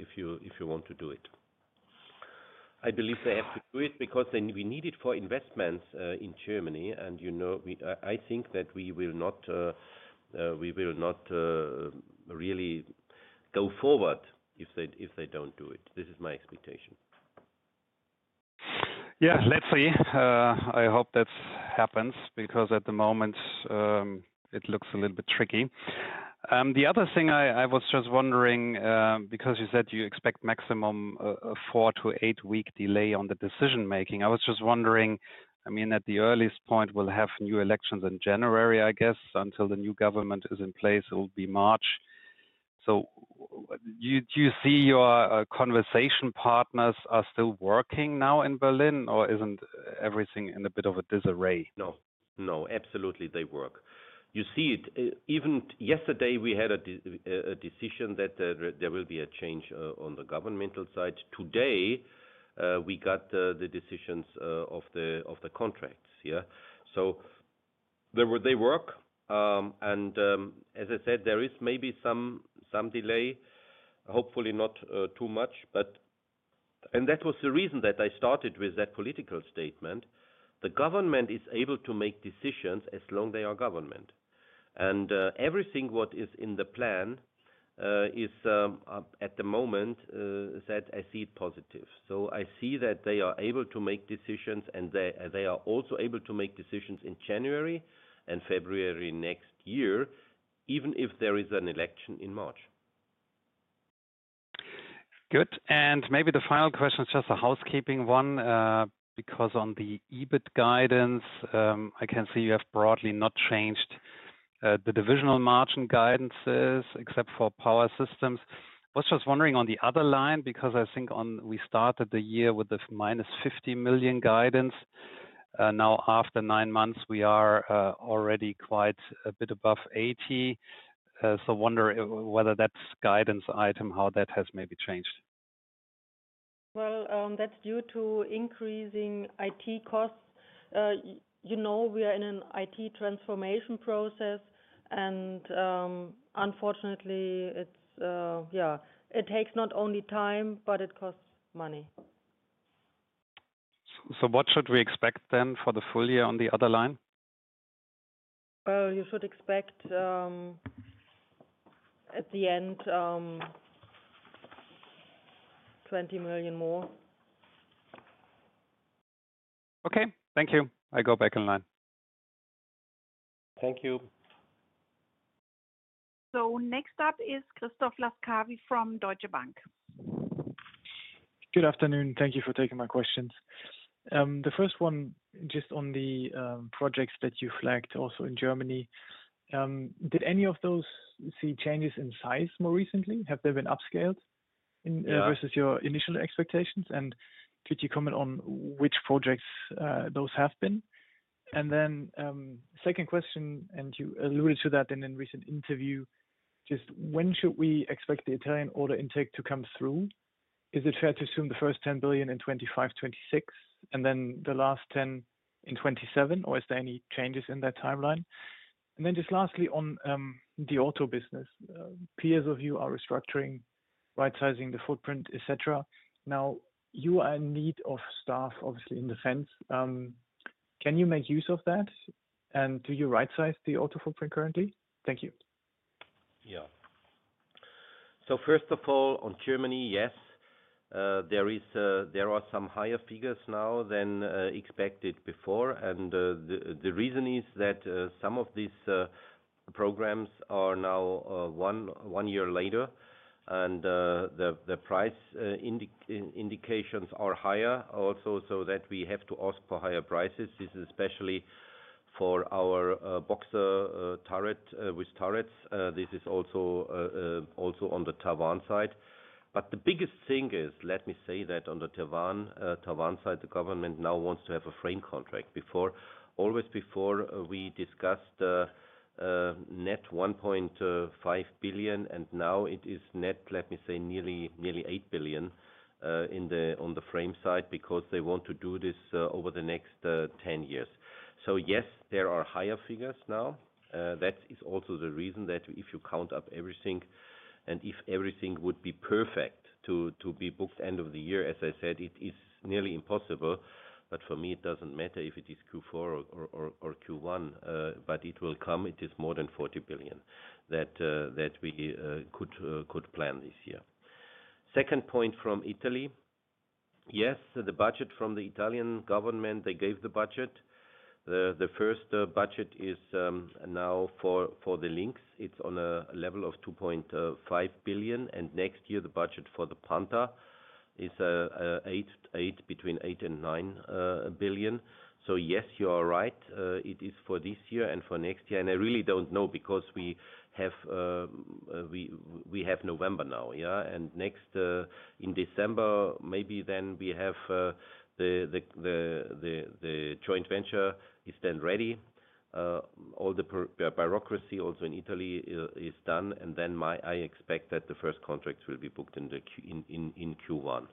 if you want to do it. I believe they have to do it because then we need it for investments in Germany. And I think that we will not really go forward if they don't do it. This is my expectation. Yeah. Let's see. I hope that happens because at the moment, it looks a little bit tricky. The other thing I was just wondering, because you said you expect maximum four- to eight-week delay on the decision-making, I was just wondering, I mean, at the earliest point, we'll have new elections in January, I guess, until the new government is in place. It will be March. So do you see your conversation partners are still working now in Berlin, or isn't everything in a bit of a disarray? No. No. Absolutely, they work. You see it. Even yesterday, we had a decision that there will be a change on the governmental side. Today, we got the decisions of the contracts, yeah? So they work. And as I said, there is maybe some delay, hopefully not too much. And that was the reason that I started with that political statement. The government is able to make decisions as long they are government. And everything what is in the plan is, at the moment, I see it positive. So I see that they are able to make decisions, and they are also able to make decisions in January and February next year, even if there is an election in March. Good. And maybe the final question is just a housekeeping one because on the EBIT guidance, I can see you have broadly not changed the divisional margin guidance except for power systems. I was just wondering on the other line because I think we started the year with the minus 50 million guidance. Now, after nine months, we are already quite a bit above 80 million. So, wonder whether that's a guidance item, how that has maybe changed. Well, that's due to increasing IT costs. You know we are in an IT transformation process. And unfortunately, yeah, it takes not only time, but it costs money. So, what should we expect then for the full year on the other line? Well, you should expect at the end 20 million more. Okay. Thank you. I go back in line. Thank you. So, next up is Christoph Laskawi from Deutsche Bank. Good afternoon. Thank you for taking my questions. The first one just on the projects that you flagged also in Germany. Did any of those see changes in size more recently? Have they been upscaled versus your initial expectations? And could you comment on which projects those have been? And then second question, and you alluded to that in a recent interview. Just when should we expect the Italian order intake to come through? Is it fair to assume the first 10 billion in 2025, 2026, and then the last 10 billion in 2027? Or is there any changes in that timeline? And then just lastly on the auto business, peers of yours are restructuring, right-sizing the footprint, etc. Now, you are in need of staff, obviously, in defense. Can you make use of that? And do you right-size the auto footprint currently? Thank you. Yeah. So first of all, on Germany, yes. There are some higher figures now than expected before. And the reason is that some of these programs are now one year later. And the price indications are higher also so that we have to ask for higher prices. This is especially for our Boxer with turrets. This is also on the TaWAN side. But the biggest thing is, let me say that on the TaWAN side, the government now wants to have a frame contract. Always before, we discussed net 1.5 billion, and now it is net, let me say, nearly 8 billion on the frame side because they want to do this over the next 10 years. So yes, there are higher figures now. That is also the reason that if you count up everything and if everything would be perfect to be booked end of the year, as I said, it is nearly impossible. But for me, it doesn't matter if it is Q4 or Q1, but it will come. It is more than 40 billion that we could plan this year. Second point from Italy. Yes, the budget from the Italian government, they gave the budget. The first budget is now for the Lynx. It's on a level of 2.5 billion. And next year, the budget for the Panther is between 8 billion and 9 billion. So yes, you are right. It is for this year and for next year. And I really don't know because we have November now, yeah? And next in December, maybe then we have the joint venture is then ready. All the bureaucracy also in Italy is done. And then I expect that the first contracts will be booked in Q1.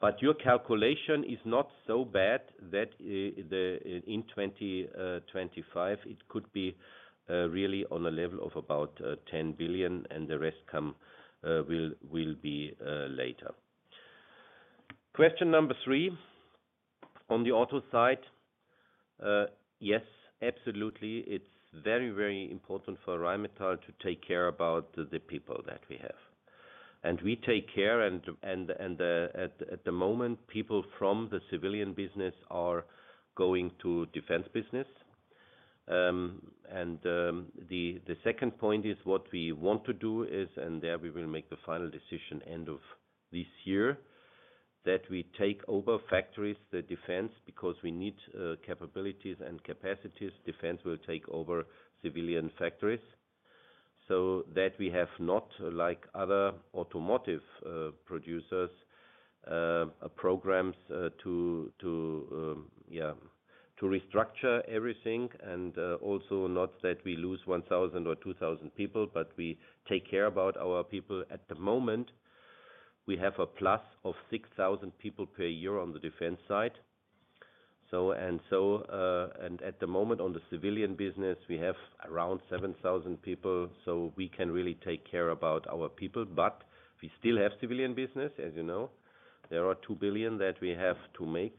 But your calculation is not so bad that in 2025, it could be really on a level of about 10 billion, and the rest will be later. Question number three on the auto side. Yes, absolutely. It's very, very important for Rheinmetall to take care about the people that we have. And we take care. And at the moment, people from the civilian business are going to defense business. And the second point is what we want to do is, and there we will make the final decision end of this year, that we take over factories, the defense, because we need capabilities and capacities. Defense will take over civilian factories. So that we have not, like other automotive producers, programs to restructure everything. And also not that we lose 1,000 or 2,000 people, but we take care about our people. At the moment, we have a plus of 6,000 people per year on the defense side. And at the moment, on the civilian business, we have around 7,000 people. So we can really take care about our people. But we still have civilian business, as you know. There are 2 billion that we have to make.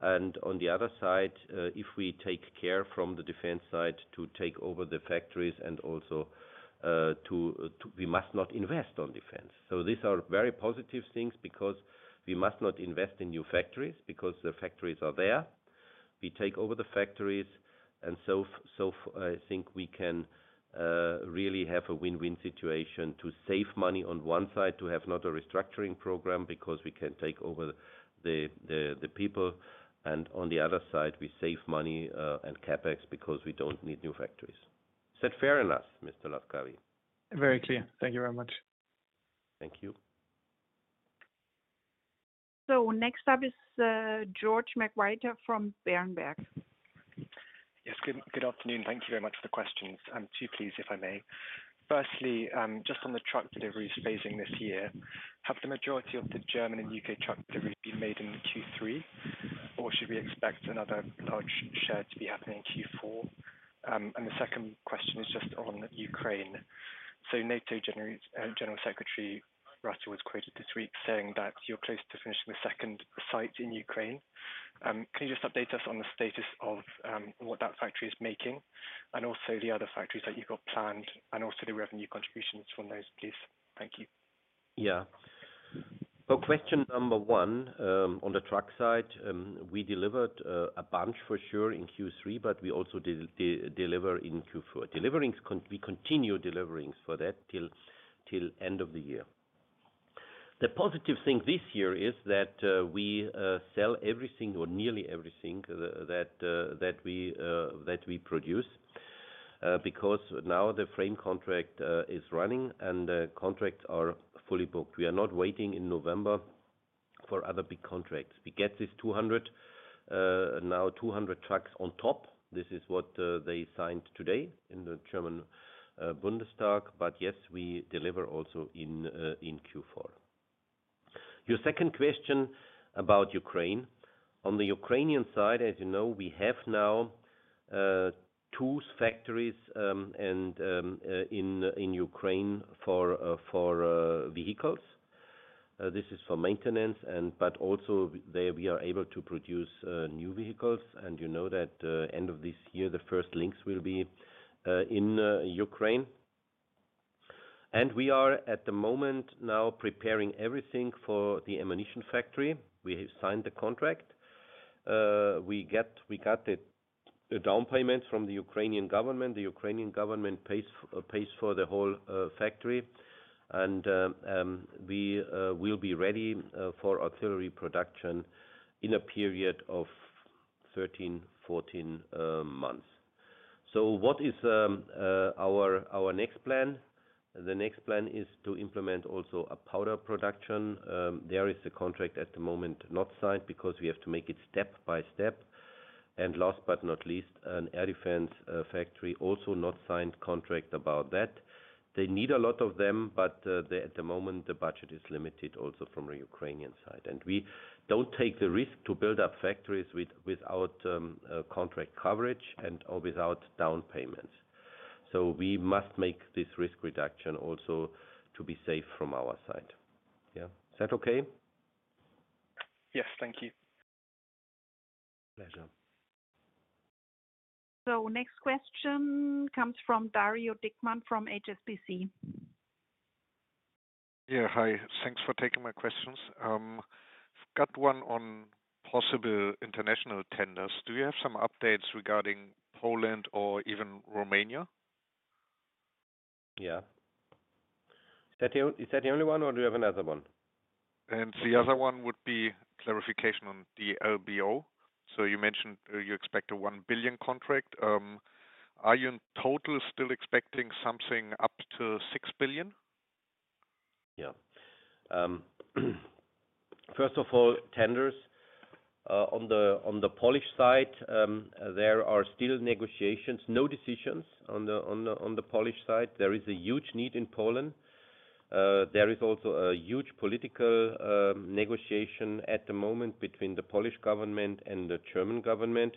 And on the other side, if we take care from the defense side to take over the factories and also we must not invest on defense. So these are very positive things because we must not invest in new factories because the factories are there. We take over the factories. And so I think we can really have a win-win situation to save money on one side, to have not a restructuring program because we can take over the people. And on the other side, we save money and CapEx because we don't need new factories. Is that fair enough, Mr. Laskawi? Very clear. Thank you very much. Thank you. So next up is George McWhirter from Berenberg. Yes. Good afternoon. Thank you very much for the questions. I'm too pleased if I may. Firstly, just on the truck deliveries phasing this year, have the majority of the German and U.K. truck deliveries been made in Q3, or should we expect another large share to be happening in Q4? And the second question is just on Ukraine. So, NATO Secretary General Rutte was quoted this week saying that you're close to finishing the second site in Ukraine. Can you just update us on the status of what that factory is making and also the other factories that you've got planned and also the revenue contributions from those, please? Thank you. Yeah. For question number one on the truck side, we delivered a bunch for sure in Q3, but we also deliver in Q4. We continue deliverings for that till end of the year. The positive thing this year is that we sell everything or nearly everything that we produce because now the frame contract is running and the contracts are fully booked. We are not waiting in November for other big contracts. We get this 200, now 200 trucks on top. This is what they signed today in the German Bundestag. But yes, we deliver also in Q4. Your second question about Ukraine. On the Ukrainian side, as you know, we have now two factories in Ukraine for vehicles. This is for maintenance, but also there we are able to produce new vehicles. And you know that end of this year, the first Lynx will be in Ukraine. And we are at the moment now preparing everything for the ammunition factory. We have signed the contract. We got the down payments from the Ukrainian government. The Ukrainian government pays for the whole factory. And we will be ready for artillery production in a period of 13, 14 months. So what is our next plan? The next plan is to implement also a powder production. There is a contract at the moment not signed because we have to make it step by step. And last but not least, an air defense factory also not signed contract about that. They need a lot of them, but at the moment, the budget is limited also from the Ukrainian side. And we don't take the risk to build up factories without contract coverage and without down payments. So we must make this risk reduction also to be safe from our side. Yeah. Is that okay? Yes. Thank you. Pleasure. So next question comes from Dario Dickmann from HSBC. Yeah. Hi. Thanks for taking my questions. I've got one on possible international tenders. Do you have some updates regarding Poland or even Romania? Yeah. Is that the only one, or do you have another one? And the other one would be clarification on the D-LBO. So you mentioned you expect a 1 billion contract. Are you in total still expecting something up to 6 billion? Yeah. First of all, tenders. On the Polish side, there are still negotiations. No decisions on the Polish side. There is a huge need in Poland. There is also a huge political negotiation at the moment between the Polish government and the German government.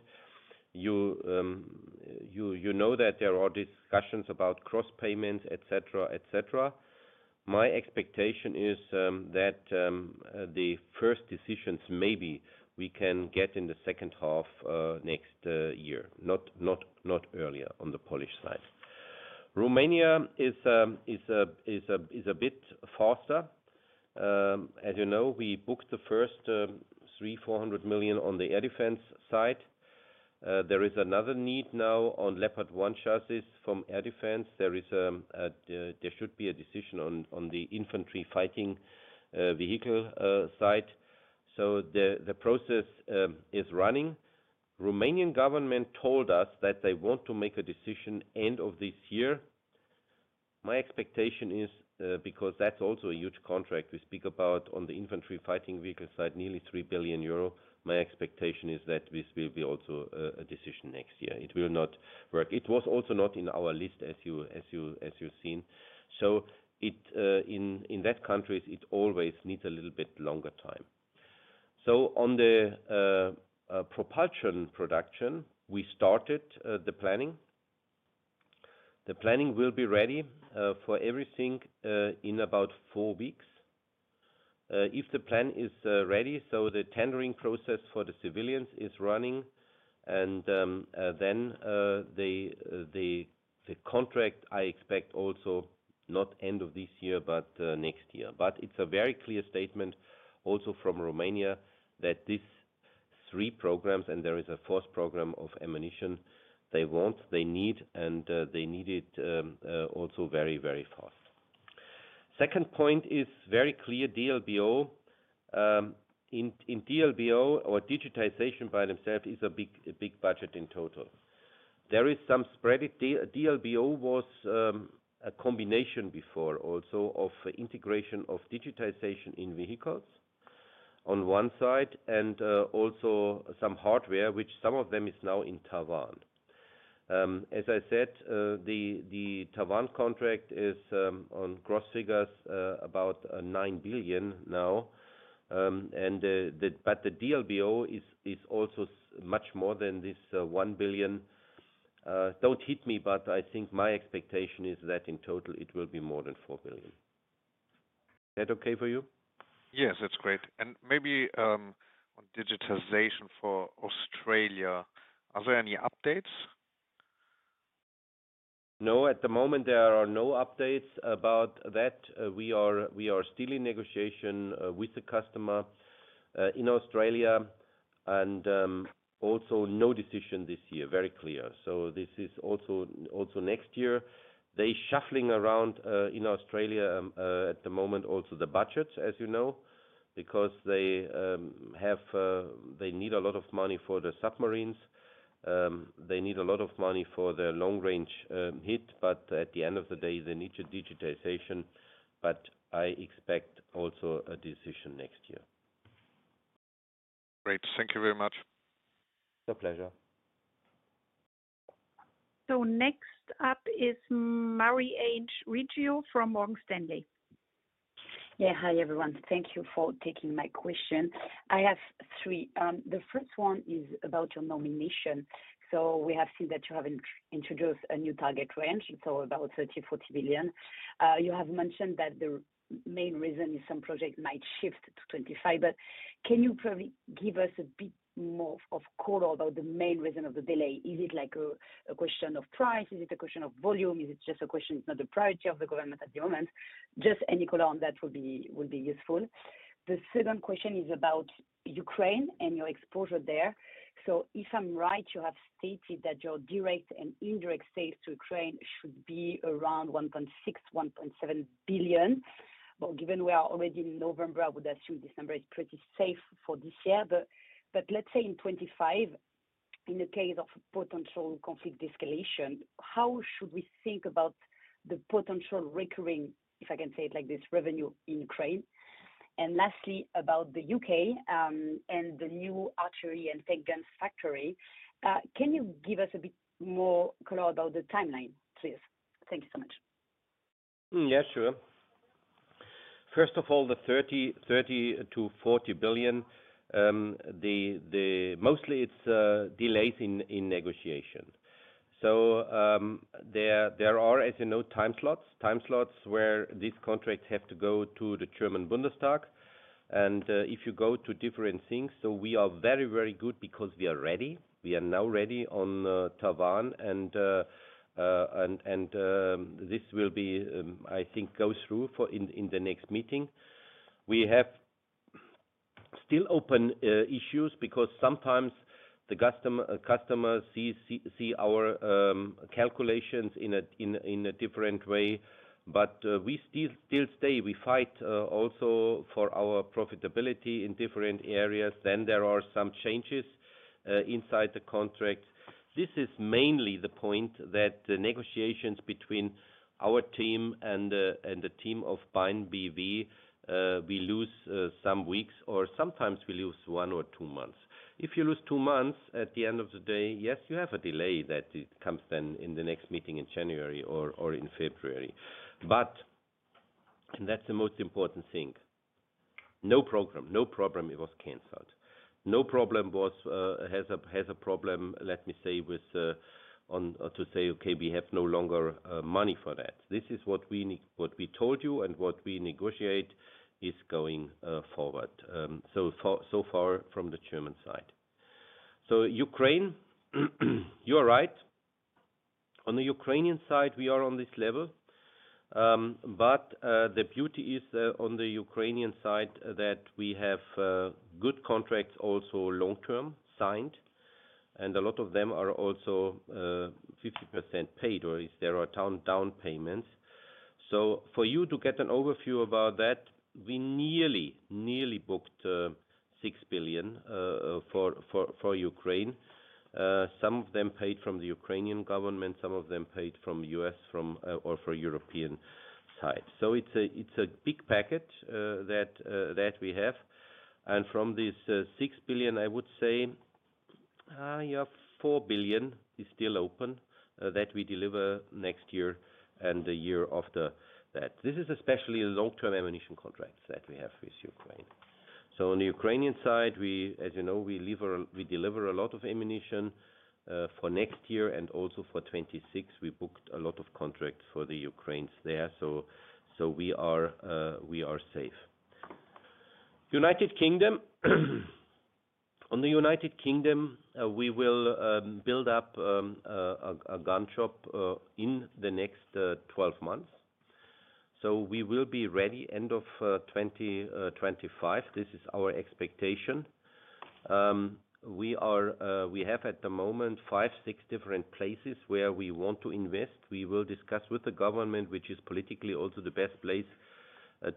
You know that there are discussions about cross payments, etc. My expectation is that the first decisions maybe we can get in the second half next year, not earlier on the Polish side. Romania is a bit faster. As you know, we booked the first 340 million on the air defense side. There is another need now on Leopard 1 chassis from air defense. There should be a decision on the infantry fighting vehicle side. So the process is running. Romanian government told us that they want to make a decision end of this year. My expectation is, because that's also a huge contract we speak about on the infantry fighting vehicle side, nearly 3 billion euro. My expectation is that this will be also a decision next year. It will not work. It was also not in our list, as you've seen. So in that countries, it always needs a little bit longer time. So on the propulsion production, we started the planning. The planning will be ready for everything in about four weeks. If the plan is ready, so the tendering process for the civilians is running. And then the contract, I expect also not end of this year, but next year. But it's a very clear statement also from Romania that these three programs and there is a fourth program of ammunition they want, they need, and they need it also very, very fast. Second point is very clear D-LBO. In D-LBO, or digitization by themselves, is a big budget in total. There is some spread. D-LBO was a combination before also of integration of digitization in vehicles on one side and also some hardware, which some of them is now in TaWAN. As I said, the TaWAN contract is on gross figures about 9 billion now. But the D-LBO is also much more than this 1 billion. Don't hit me, but I think my expectation is that in total, it will be more than 4 billion. Is that okay for you? Yes, that's great. And maybe on digitization for Australia, are there any updates? No, at the moment, there are no updates about that. We are still in negotiation with the customer in Australia and also no decision this year. Very clear. So this is also next year. They're shuffling around in Australia at the moment also the budget, as you know, because they need a lot of money for the submarines. They need a lot of money for the long-range hit. But at the end of the day, they need digitization. But I expect also a decision next year. Great. Thank you very much. It's a pleasure. So next up is Marie-Ange Riggio from Morgan Stanley. Yeah. Hi, everyone. Thank you for taking my question. I have three. The first one is about your nomination. So we have seen that you have introduced a new target range. It's all about 30 billion, 40 billion. You have mentioned that the main reason is some project might shift to 2025. But can you give us a bit more of color about the main reason of the delay? Is it a question of price? Is it a question of volume? Is it just a question? It's not the priority of the government at the moment. Just any color on that will be useful. The second question is about Ukraine and your exposure there. So if I'm right, you have stated that your direct and indirect sales to Ukraine should be around 1.6 billion, 1.7 billion. But given we are already in November, I would assume this number is pretty safe for this year. But let's say in 2025, in the case of potential conflict escalation, how should we think about the potential recurring, if I can say it like this, revenue in Ukraine? And lastly, about the U.K. and the new artillery and tank guns factory. Can you give us a bit more color about the timeline, please? Thank you so much. Yeah, sure. First of all, the 30 billion-40 billion, mostly it's delays in negotiation. So there are, as you know, time slots, time slots where these contracts have to go to the German Bundestag. And if you go to different things, so we are very, very good because we are ready. We are now ready on TaWAN. And this will be, I think, go through in the next meeting. We have still open issues because sometimes the customer sees our calculations in a different way. But we still stay. We fight also for our profitability in different areas. Then there are some changes inside the contract. This is mainly the point that the negotiations between our team and the team of BAAINBw. We lose some weeks, or sometimes we lose one or two months. If you lose two months at the end of the day, yes, you have a delay that comes then in the next meeting in January or in February. But that's the most important thing. No problem. No problem. It was canceled. No problem has a problem, let me say, to say, "Okay, we have no longer money for that." This is what we told you and what we negotiate is going forward. So far from the German side. So Ukraine, you are right. On the Ukrainian side, we are on this level. But the beauty is on the Ukrainian side that we have good contracts also long-term signed. And a lot of them are also 50% paid or there are down payments. So for you to get an overview about that, we nearly booked 6 billion for Ukraine. Some of them paid from the Ukrainian government. Some of them paid from U.S. or from European side. So it's a big package that we have. And from this 6 billion, I would say you have 4 billion is still open that we deliver next year and the year after that. This is especially long-term ammunition contracts that we have with Ukraine. So on the Ukrainian side, as you know, we deliver a lot of ammunition for next year and also for 2026. We booked a lot of contracts for the Ukraine there. So we are safe. United Kingdom. On the United Kingdom, we will build up a gun shop in the next 12 months. So we will be ready end of 2025. This is our expectation. We have at the moment five, six different places where we want to invest. We will discuss with the government, which is politically also the best place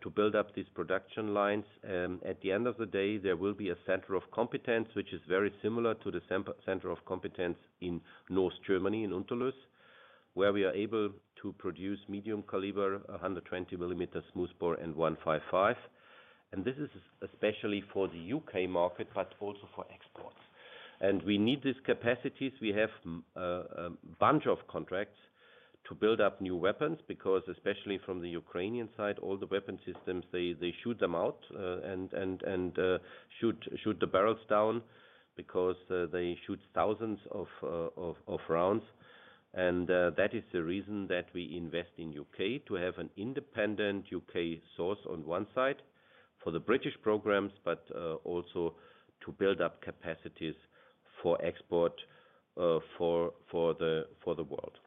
to build up these production lines. At the end of the day, there will be a center of competence, which is very similar to the center of competence in North Germany in Unterlüß, where we are able to produce medium caliber 120 mm smoothbore and 155 mm, and this is especially for the U.K. market, but also for exports, and we need these capacities. We have a bunch of contracts to build up new weapons because especially from the Ukrainian side, all the weapon systems, they shoot them out and shoot the barrels down because they shoot thousands of rounds, and that is the reason that we invest in U.K. to have an independent U.K. source on one side for the British programs, but also to build up capacities for export for the world.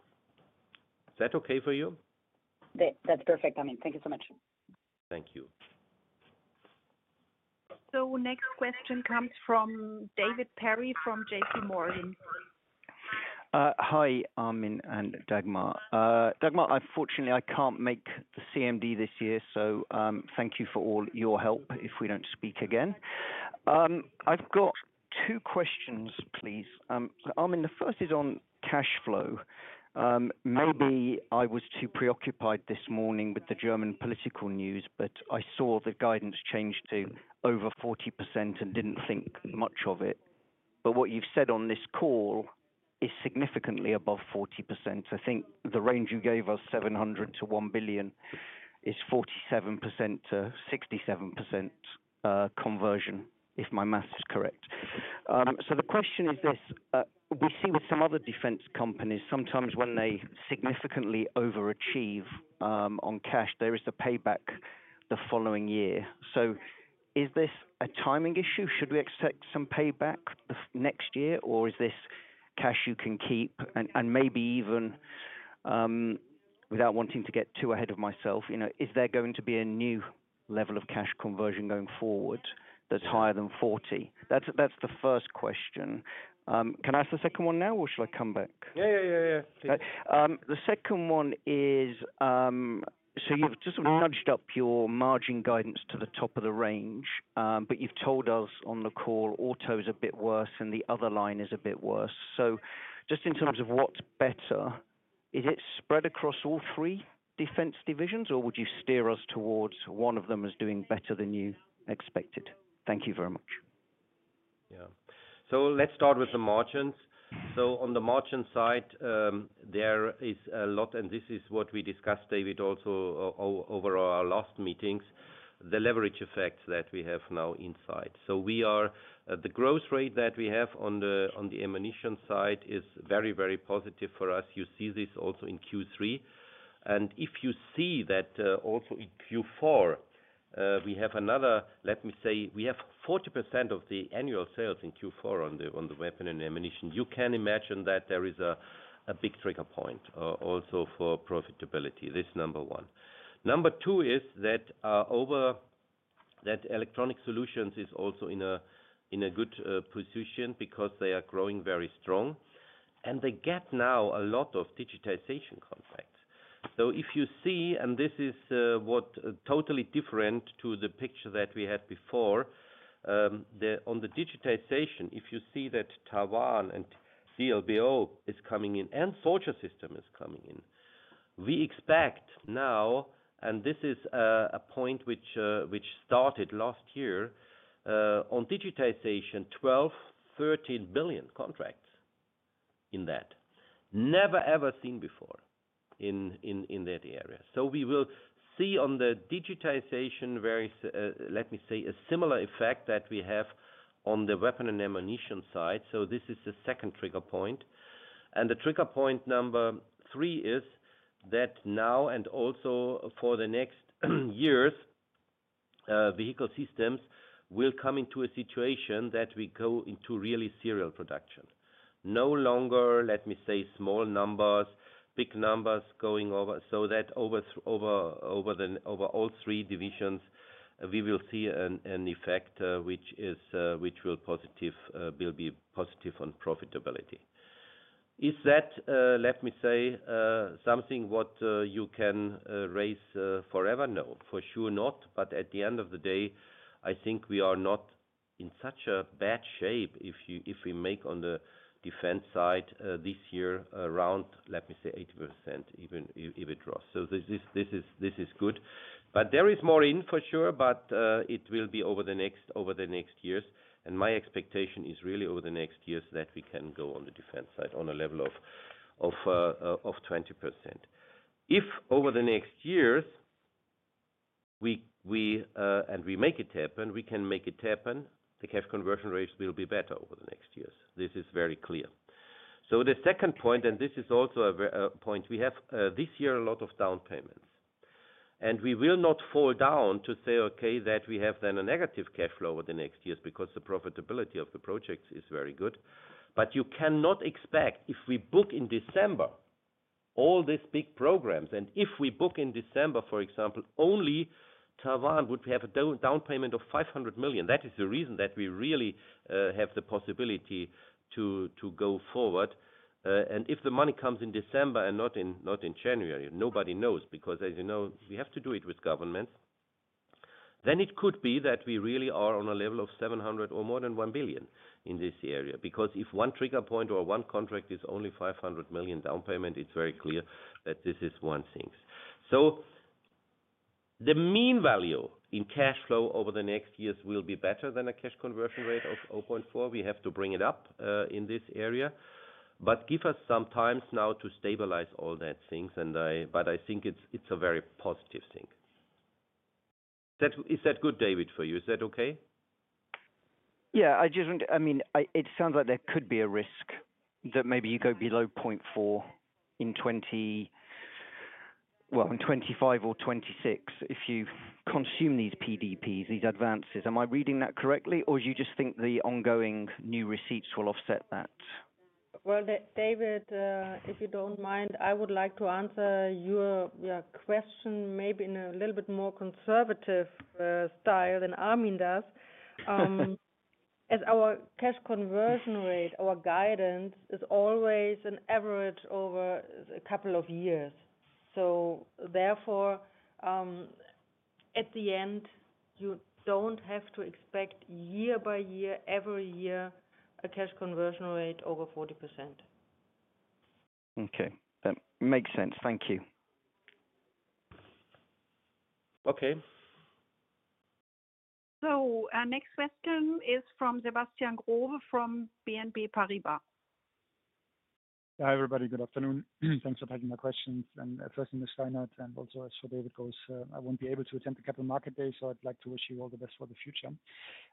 Is that okay for you? That's perfect. I mean, thank you so much. Thank you. So next question comes from David Perry from JPMorgan. Hi, Armin and Dagmar. Dagmar, unfortunately, I can't make the CMD this year, so thank you for all your help if we don't speak again. I've got two questions, please. Armin, the first is on cash flow. Maybe I was too preoccupied this morning with the German political news, but I saw the guidance change to over 40% and didn't think much of it. But what you've said on this call is significantly above 40%. I think the range you gave us, 700 million-1 billion, is 47%-67% conversion, if my math is correct. So the question is this: we see with some other defense companies, sometimes when they significantly overachieve on cash, there is a payback the following year. So is this a timing issue? Should we expect some payback next year, or is this cash you can keep? And maybe even without wanting to get too ahead of myself, is there going to be a new level of cash conversion going forward that's higher than 40%? That's the first question. Can I ask the second one now, or should I come back? Yeah, yeah, yeah. The second one is, so you've just nudged up your margin guidance to the top of the range, but you've told us on the call, auto is a bit worse and the other line is a bit worse, so just in terms of what's better, is it spread across all three defense divisions, or would you steer us towards one of them as doing better than you expected? Thank you very much. Yeah, so let's start with the margins, so on the margin side, there is a lot, and this is what we discussed, David, also over our last meetings, the leverage effects that we have now inside. So the growth rate that we have on the ammunition side is very, very positive for us. You see this also in Q3. If you see that also in Q4, we have another, let me say, we have 40% of the annual sales in Q4 on the weapon and ammunition. You can imagine that there is a big trigger point also for profitability. This is number one. Number two is that Electronic Solutions is also in a good position because they are growing very strong. And they get now a lot of digitization contracts. So if you see, and this is totally different to the picture that we had before, on the digitization, if you see that TaWAN and D-LBO is coming in and Soldier System is coming in, we expect now, and this is a point which started last year, on digitization, 12 billion, 13 billion contracts in that. Never, ever seen before in that area. So we will see on the digitization, let me say, a similar effect that we have on the weapon and ammunition side. So this is the second trigger point. And the trigger point number three is that now and also for the next years, vehicle systems will come into a situation that we go into really serial production. No longer, let me say, small numbers, big numbers going over. So that overall three divisions, we will see an effect which will be positive on profitability. Is that, let me say, something what you can raise forever? No. For sure, not. But at the end of the day, I think we are not in such a bad shape if we make on the defense side this year around, let me say, 80% even draws. So this is good. But there is more in for sure, but it will be over the next years. And my expectation is really over the next years that we can go on the defense side on a level of 20%. If over the next years and we make it happen, we can make it happen, the cash conversion rates will be better over the next years. This is very clear. So the second point, and this is also a point, we have this year a lot of down payments. And we will not fall down to say, "Okay, that we have then a negative cash flow over the next years because the profitability of the projects is very good." But you cannot expect if we book in December all these big programs, and if we book in December, for example, only TaWAN would have a down payment of 500 million. That is the reason that we really have the possibility to go forward. And if the money comes in December and not in January, nobody knows because, as you know, we have to do it with governments. Then it could be that we really are on a level of 700 million or more than 1 billion in this area. Because if one trigger point or one contract is only 500 million down payment, it's very clear that this is one thing. So the mean value in cash flow over the next years will be better than a cash conversion rate of 0.4. We have to bring it up in this area. But give us some times now to stabilize all that things. But I think it's a very positive thing. Is that good, David, for you? Is that okay? Yeah. I mean, it sounds like there could be a risk that maybe you go below 0.4 in, well, in 2025 or 2026 if you consume these PDPs, these advances. Am I reading that correctly, or do you just think the ongoing new receipts will offset that? Well, David, if you don't mind, I would like to answer your question maybe in a little bit more conservative style than Armin does. As our cash conversion rate, our guidance is always an average over a couple of years. So therefore, at the end, you don't have to expect year by year, every year, a cash conversion rate over 40%. Okay. That makes sense. Thank you. Okay. So our next question is from Sebastian Growe from BNP Paribas. Hi, everybody. Good afternoon. Thanks for taking my questions. And first, in the stand-ins and also as far as David goes, I won't be able to attend the Capital Market Day, so I'd like to wish you all the best for the future.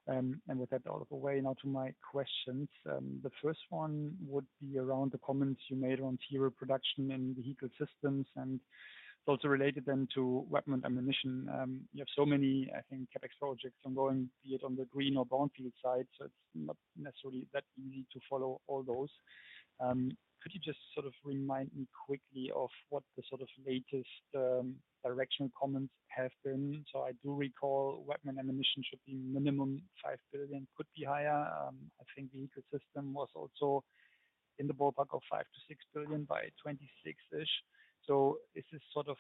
And with that out of the way, now to my questions. The first one would be around the comments you made around serial production in vehicle systems and also related then to weapon and ammunition. You have so many, I think, CapEx projects ongoing, be it on the green or brownfield side. So it's not necessarily that easy to follow all those. Could you just sort of remind me quickly of what the sort of latest directional comments have been? So I do recall weapon and ammunition should be minimum 5 billion, could be higher. I think vehicle system was also in the ballpark of 5 billion, 6 billion by 2026-ish. So is this sort of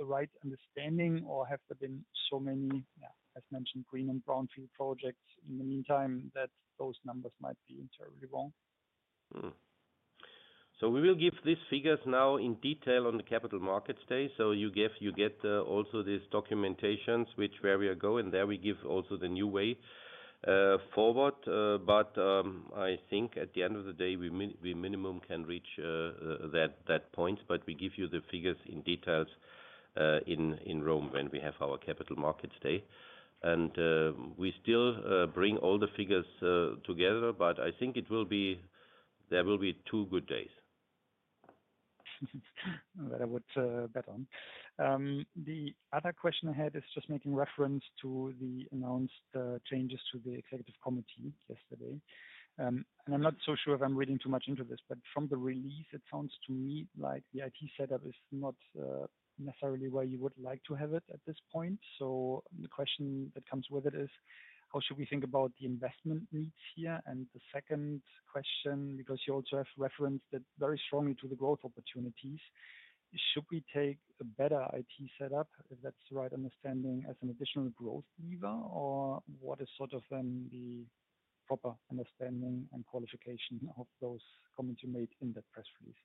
a right understanding, or have there been so many, as mentioned, green and brownfield projects in the meantime that those numbers might be entirely wrong? So we will give these figures now in detail on the Capital Markets Day. So you get also these documentations which show where we are going, and there we give also the new way forward. But I think at the end of the day, we minimum can reach that point, but we give you the figures in detail in Rome when we have our Capital Markets Day. And we still bring all the figures together, but I think there will be two good days. That I would bet on. The other question I had is just making reference to the announced changes to the executive committee yesterday. I'm not so sure if I'm reading too much into this, but from the release, it sounds to me like the IT setup is not necessarily where you would like to have it at this point, so the question that comes with it is, how should we think about the investment needs here? And the second question, because you also have referenced it very strongly to the growth opportunities, should we take a better IT setup, if that's the right understanding, as an additional growth lever, or what is sort of then the proper understanding and qualification of those comments you made in that press release?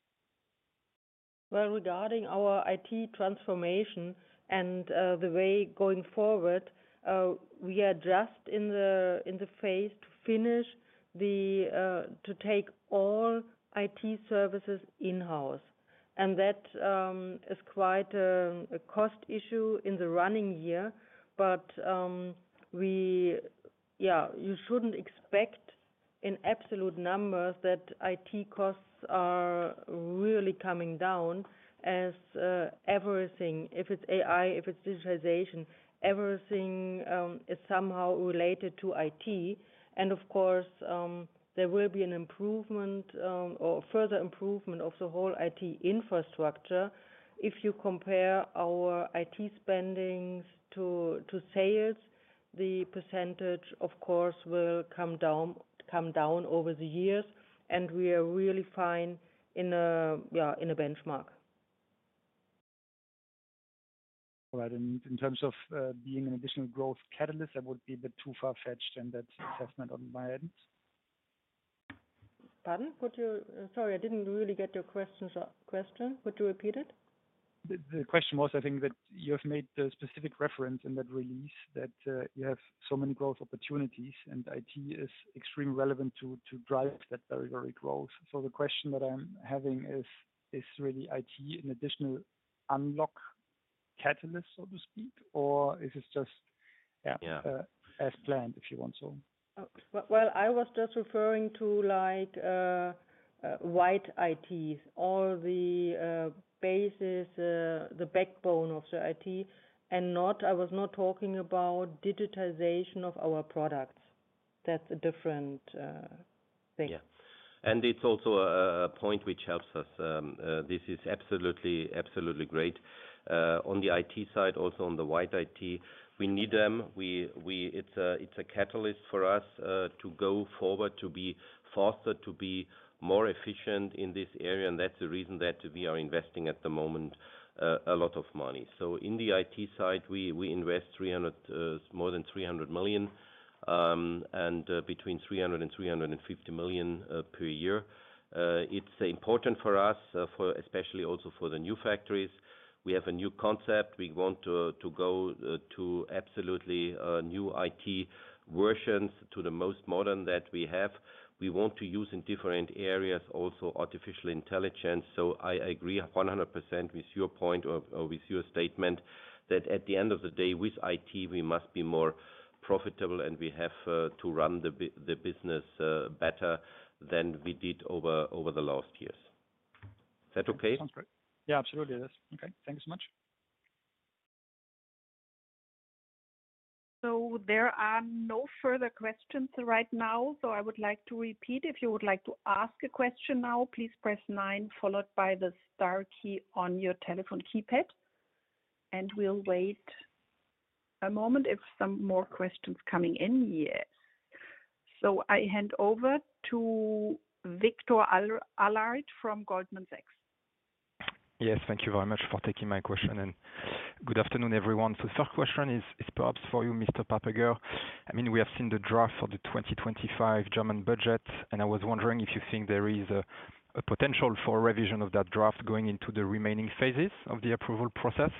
Well, regarding our IT transformation and the way going forward, we are just in the phase to finish to take all IT services in-house, and that is quite a cost issue in the running year. But yeah, you shouldn't expect in absolute numbers that IT costs are really coming down as everything, if it's AI, if it's digitization, everything is somehow related to IT. And of course, there will be an improvement or further improvement of the whole IT infrastructure. If you compare our IT spending to sales, the percentage, of course, will come down over the years, and we are really fine in a benchmark. All right. And in terms of being an additional growth catalyst, that would be a bit too far-fetched and that's assessment on my end. Pardon? Sorry, I didn't really get your question. Could you repeat it? The question was, I think that you have made the specific reference in that release that you have so many growth opportunities, and IT is extremely relevant to drive that very, very growth. So the question that I'm having is really IT an additional unlock catalyst, so to speak, or is it just as planned if you want so? Well, I was just referring to the IT. It's all the basis, the backbone of the IT, and I was not talking about digitization of our products. That's a different thing. Yeah. And it's also a point which helps us. This is absolutely great. On the IT side, also on the IT, we need them. It's a catalyst for us to go forward, to be faster, to be more efficient in this area. And that's the reason that we are investing at the moment a lot of money. So in the IT side, we invest more than 300 million, and between 300 million and 350 million per year. It's important for us, especially also for the new factories. We have a new concept. We want to go to absolutely new IT versions, to the most modern that we have. We want to use in different areas also artificial intelligence, so I agree 100% with your point or with your statement that at the end of the day, with IT, we must be more profitable, and we have to run the business better than we did over the last years. Is that okay? Sounds great. Yeah, absolutely. It is. Okay. Thank you so much. So there are no further questions right now, so I would like to repeat. If you would like to ask a question now, please press nine followed by the star key on your telephone keypad, and we'll wait a moment if some more questions are coming in. Yes, so I hand over to Victor Allard from Goldman Sachs. Yes. Thank you very much for taking my question. Good afternoon, everyone. The first question is perhaps for you, Mr. Papperger. I mean, we have seen the draft for the 2025 German budget, and I was wondering if you think there is a potential for revision of that draft going into the remaining phases of the approval process.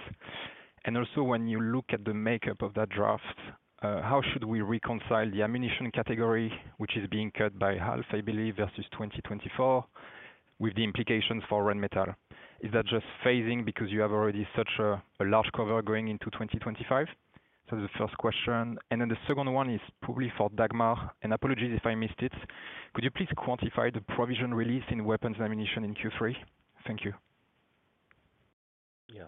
Also, when you look at the makeup of that draft, how should we reconcile the ammunition category, which is being cut by half, I believe, versus 2024, with the implications for Rheinmetall? Is that just phasing because you have already such a large cover going into 2025? That's the first question. Then the second one is probably for Dagmar. Apologies if I missed it. Could you please quantify the provision release in weapons and ammunition in Q3? Thank you. Yeah.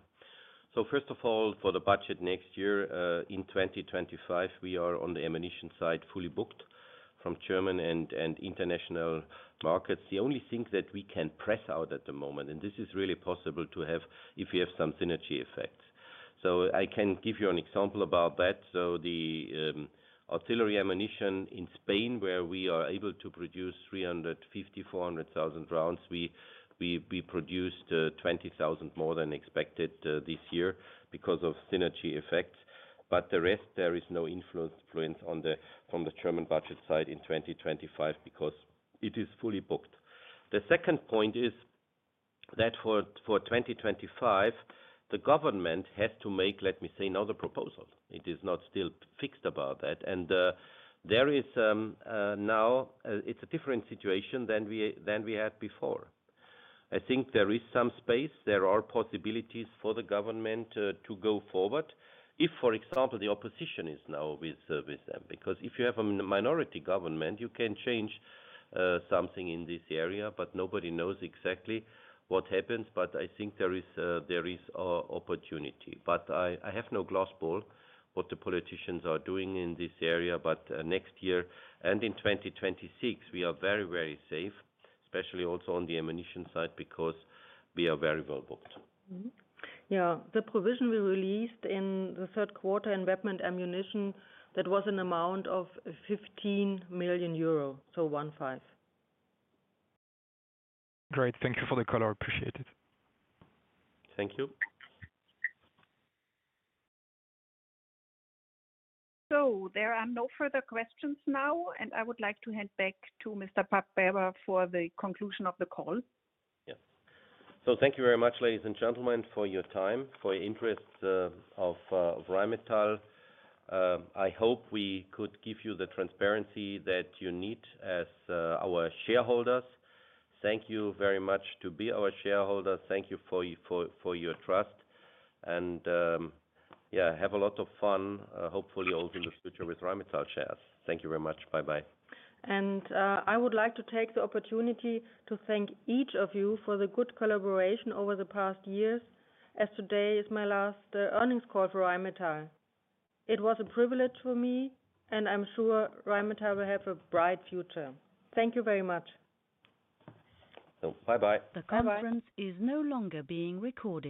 So first of all, for the budget next year, in 2025, we are on the ammunition side fully booked from German and international markets. The only thing that we can press out at the moment, and this is really possible to have if we have some synergy effects. So I can give you an example about that. So the artillery ammunition in Spain, where we are able to produce 350,000, 400,000 rounds, we produced 20,000 more than expected this year because of synergy effects. But the rest, there is no influence on the German budget side in 2025 because it is fully booked. The second point is that for 2025, the government has to make, let me say, another proposal. It is not still fixed about that. And now it's a different situation than we had before. I think there is some space. There are possibilities for the government to go forward if, for example, the opposition is now with them. Because if you have a minority government, you can change something in this area, but nobody knows exactly what happens. But I think there is opportunity. But I have no crystal ball what the politicians are doing in this area. But next year and in 2026, we are very, very safe, especially also on the ammunition side because we are very well booked. Yeah. The provision was released in the third quarter in weapon and ammunition. That was an amount of 15 million euro. Great. Thank you for the color. Appreciate it. Thank you. So there are no further questions now, and I would like to hand back to Mr. Papperger for the conclusion of the call. Yes. So thank you very much, ladies and gentlemen, for your time, for your interest of Rheinmetall. I hope we could give you the transparency that you need as our shareholders. Thank you very much to be our shareholders. Thank you for your trust. And yeah, have a lot of fun, hopefully also in the future with Rheinmetall shares. Thank you very much. Bye-bye. And I would like to take the opportunity to thank each of you for the good collaboration over the past years, as today is my last earnings call for Rheinmetall. It was a privilege for me, and I'm sure Rheinmetall will have a bright future. Thank you very much. Bye-bye.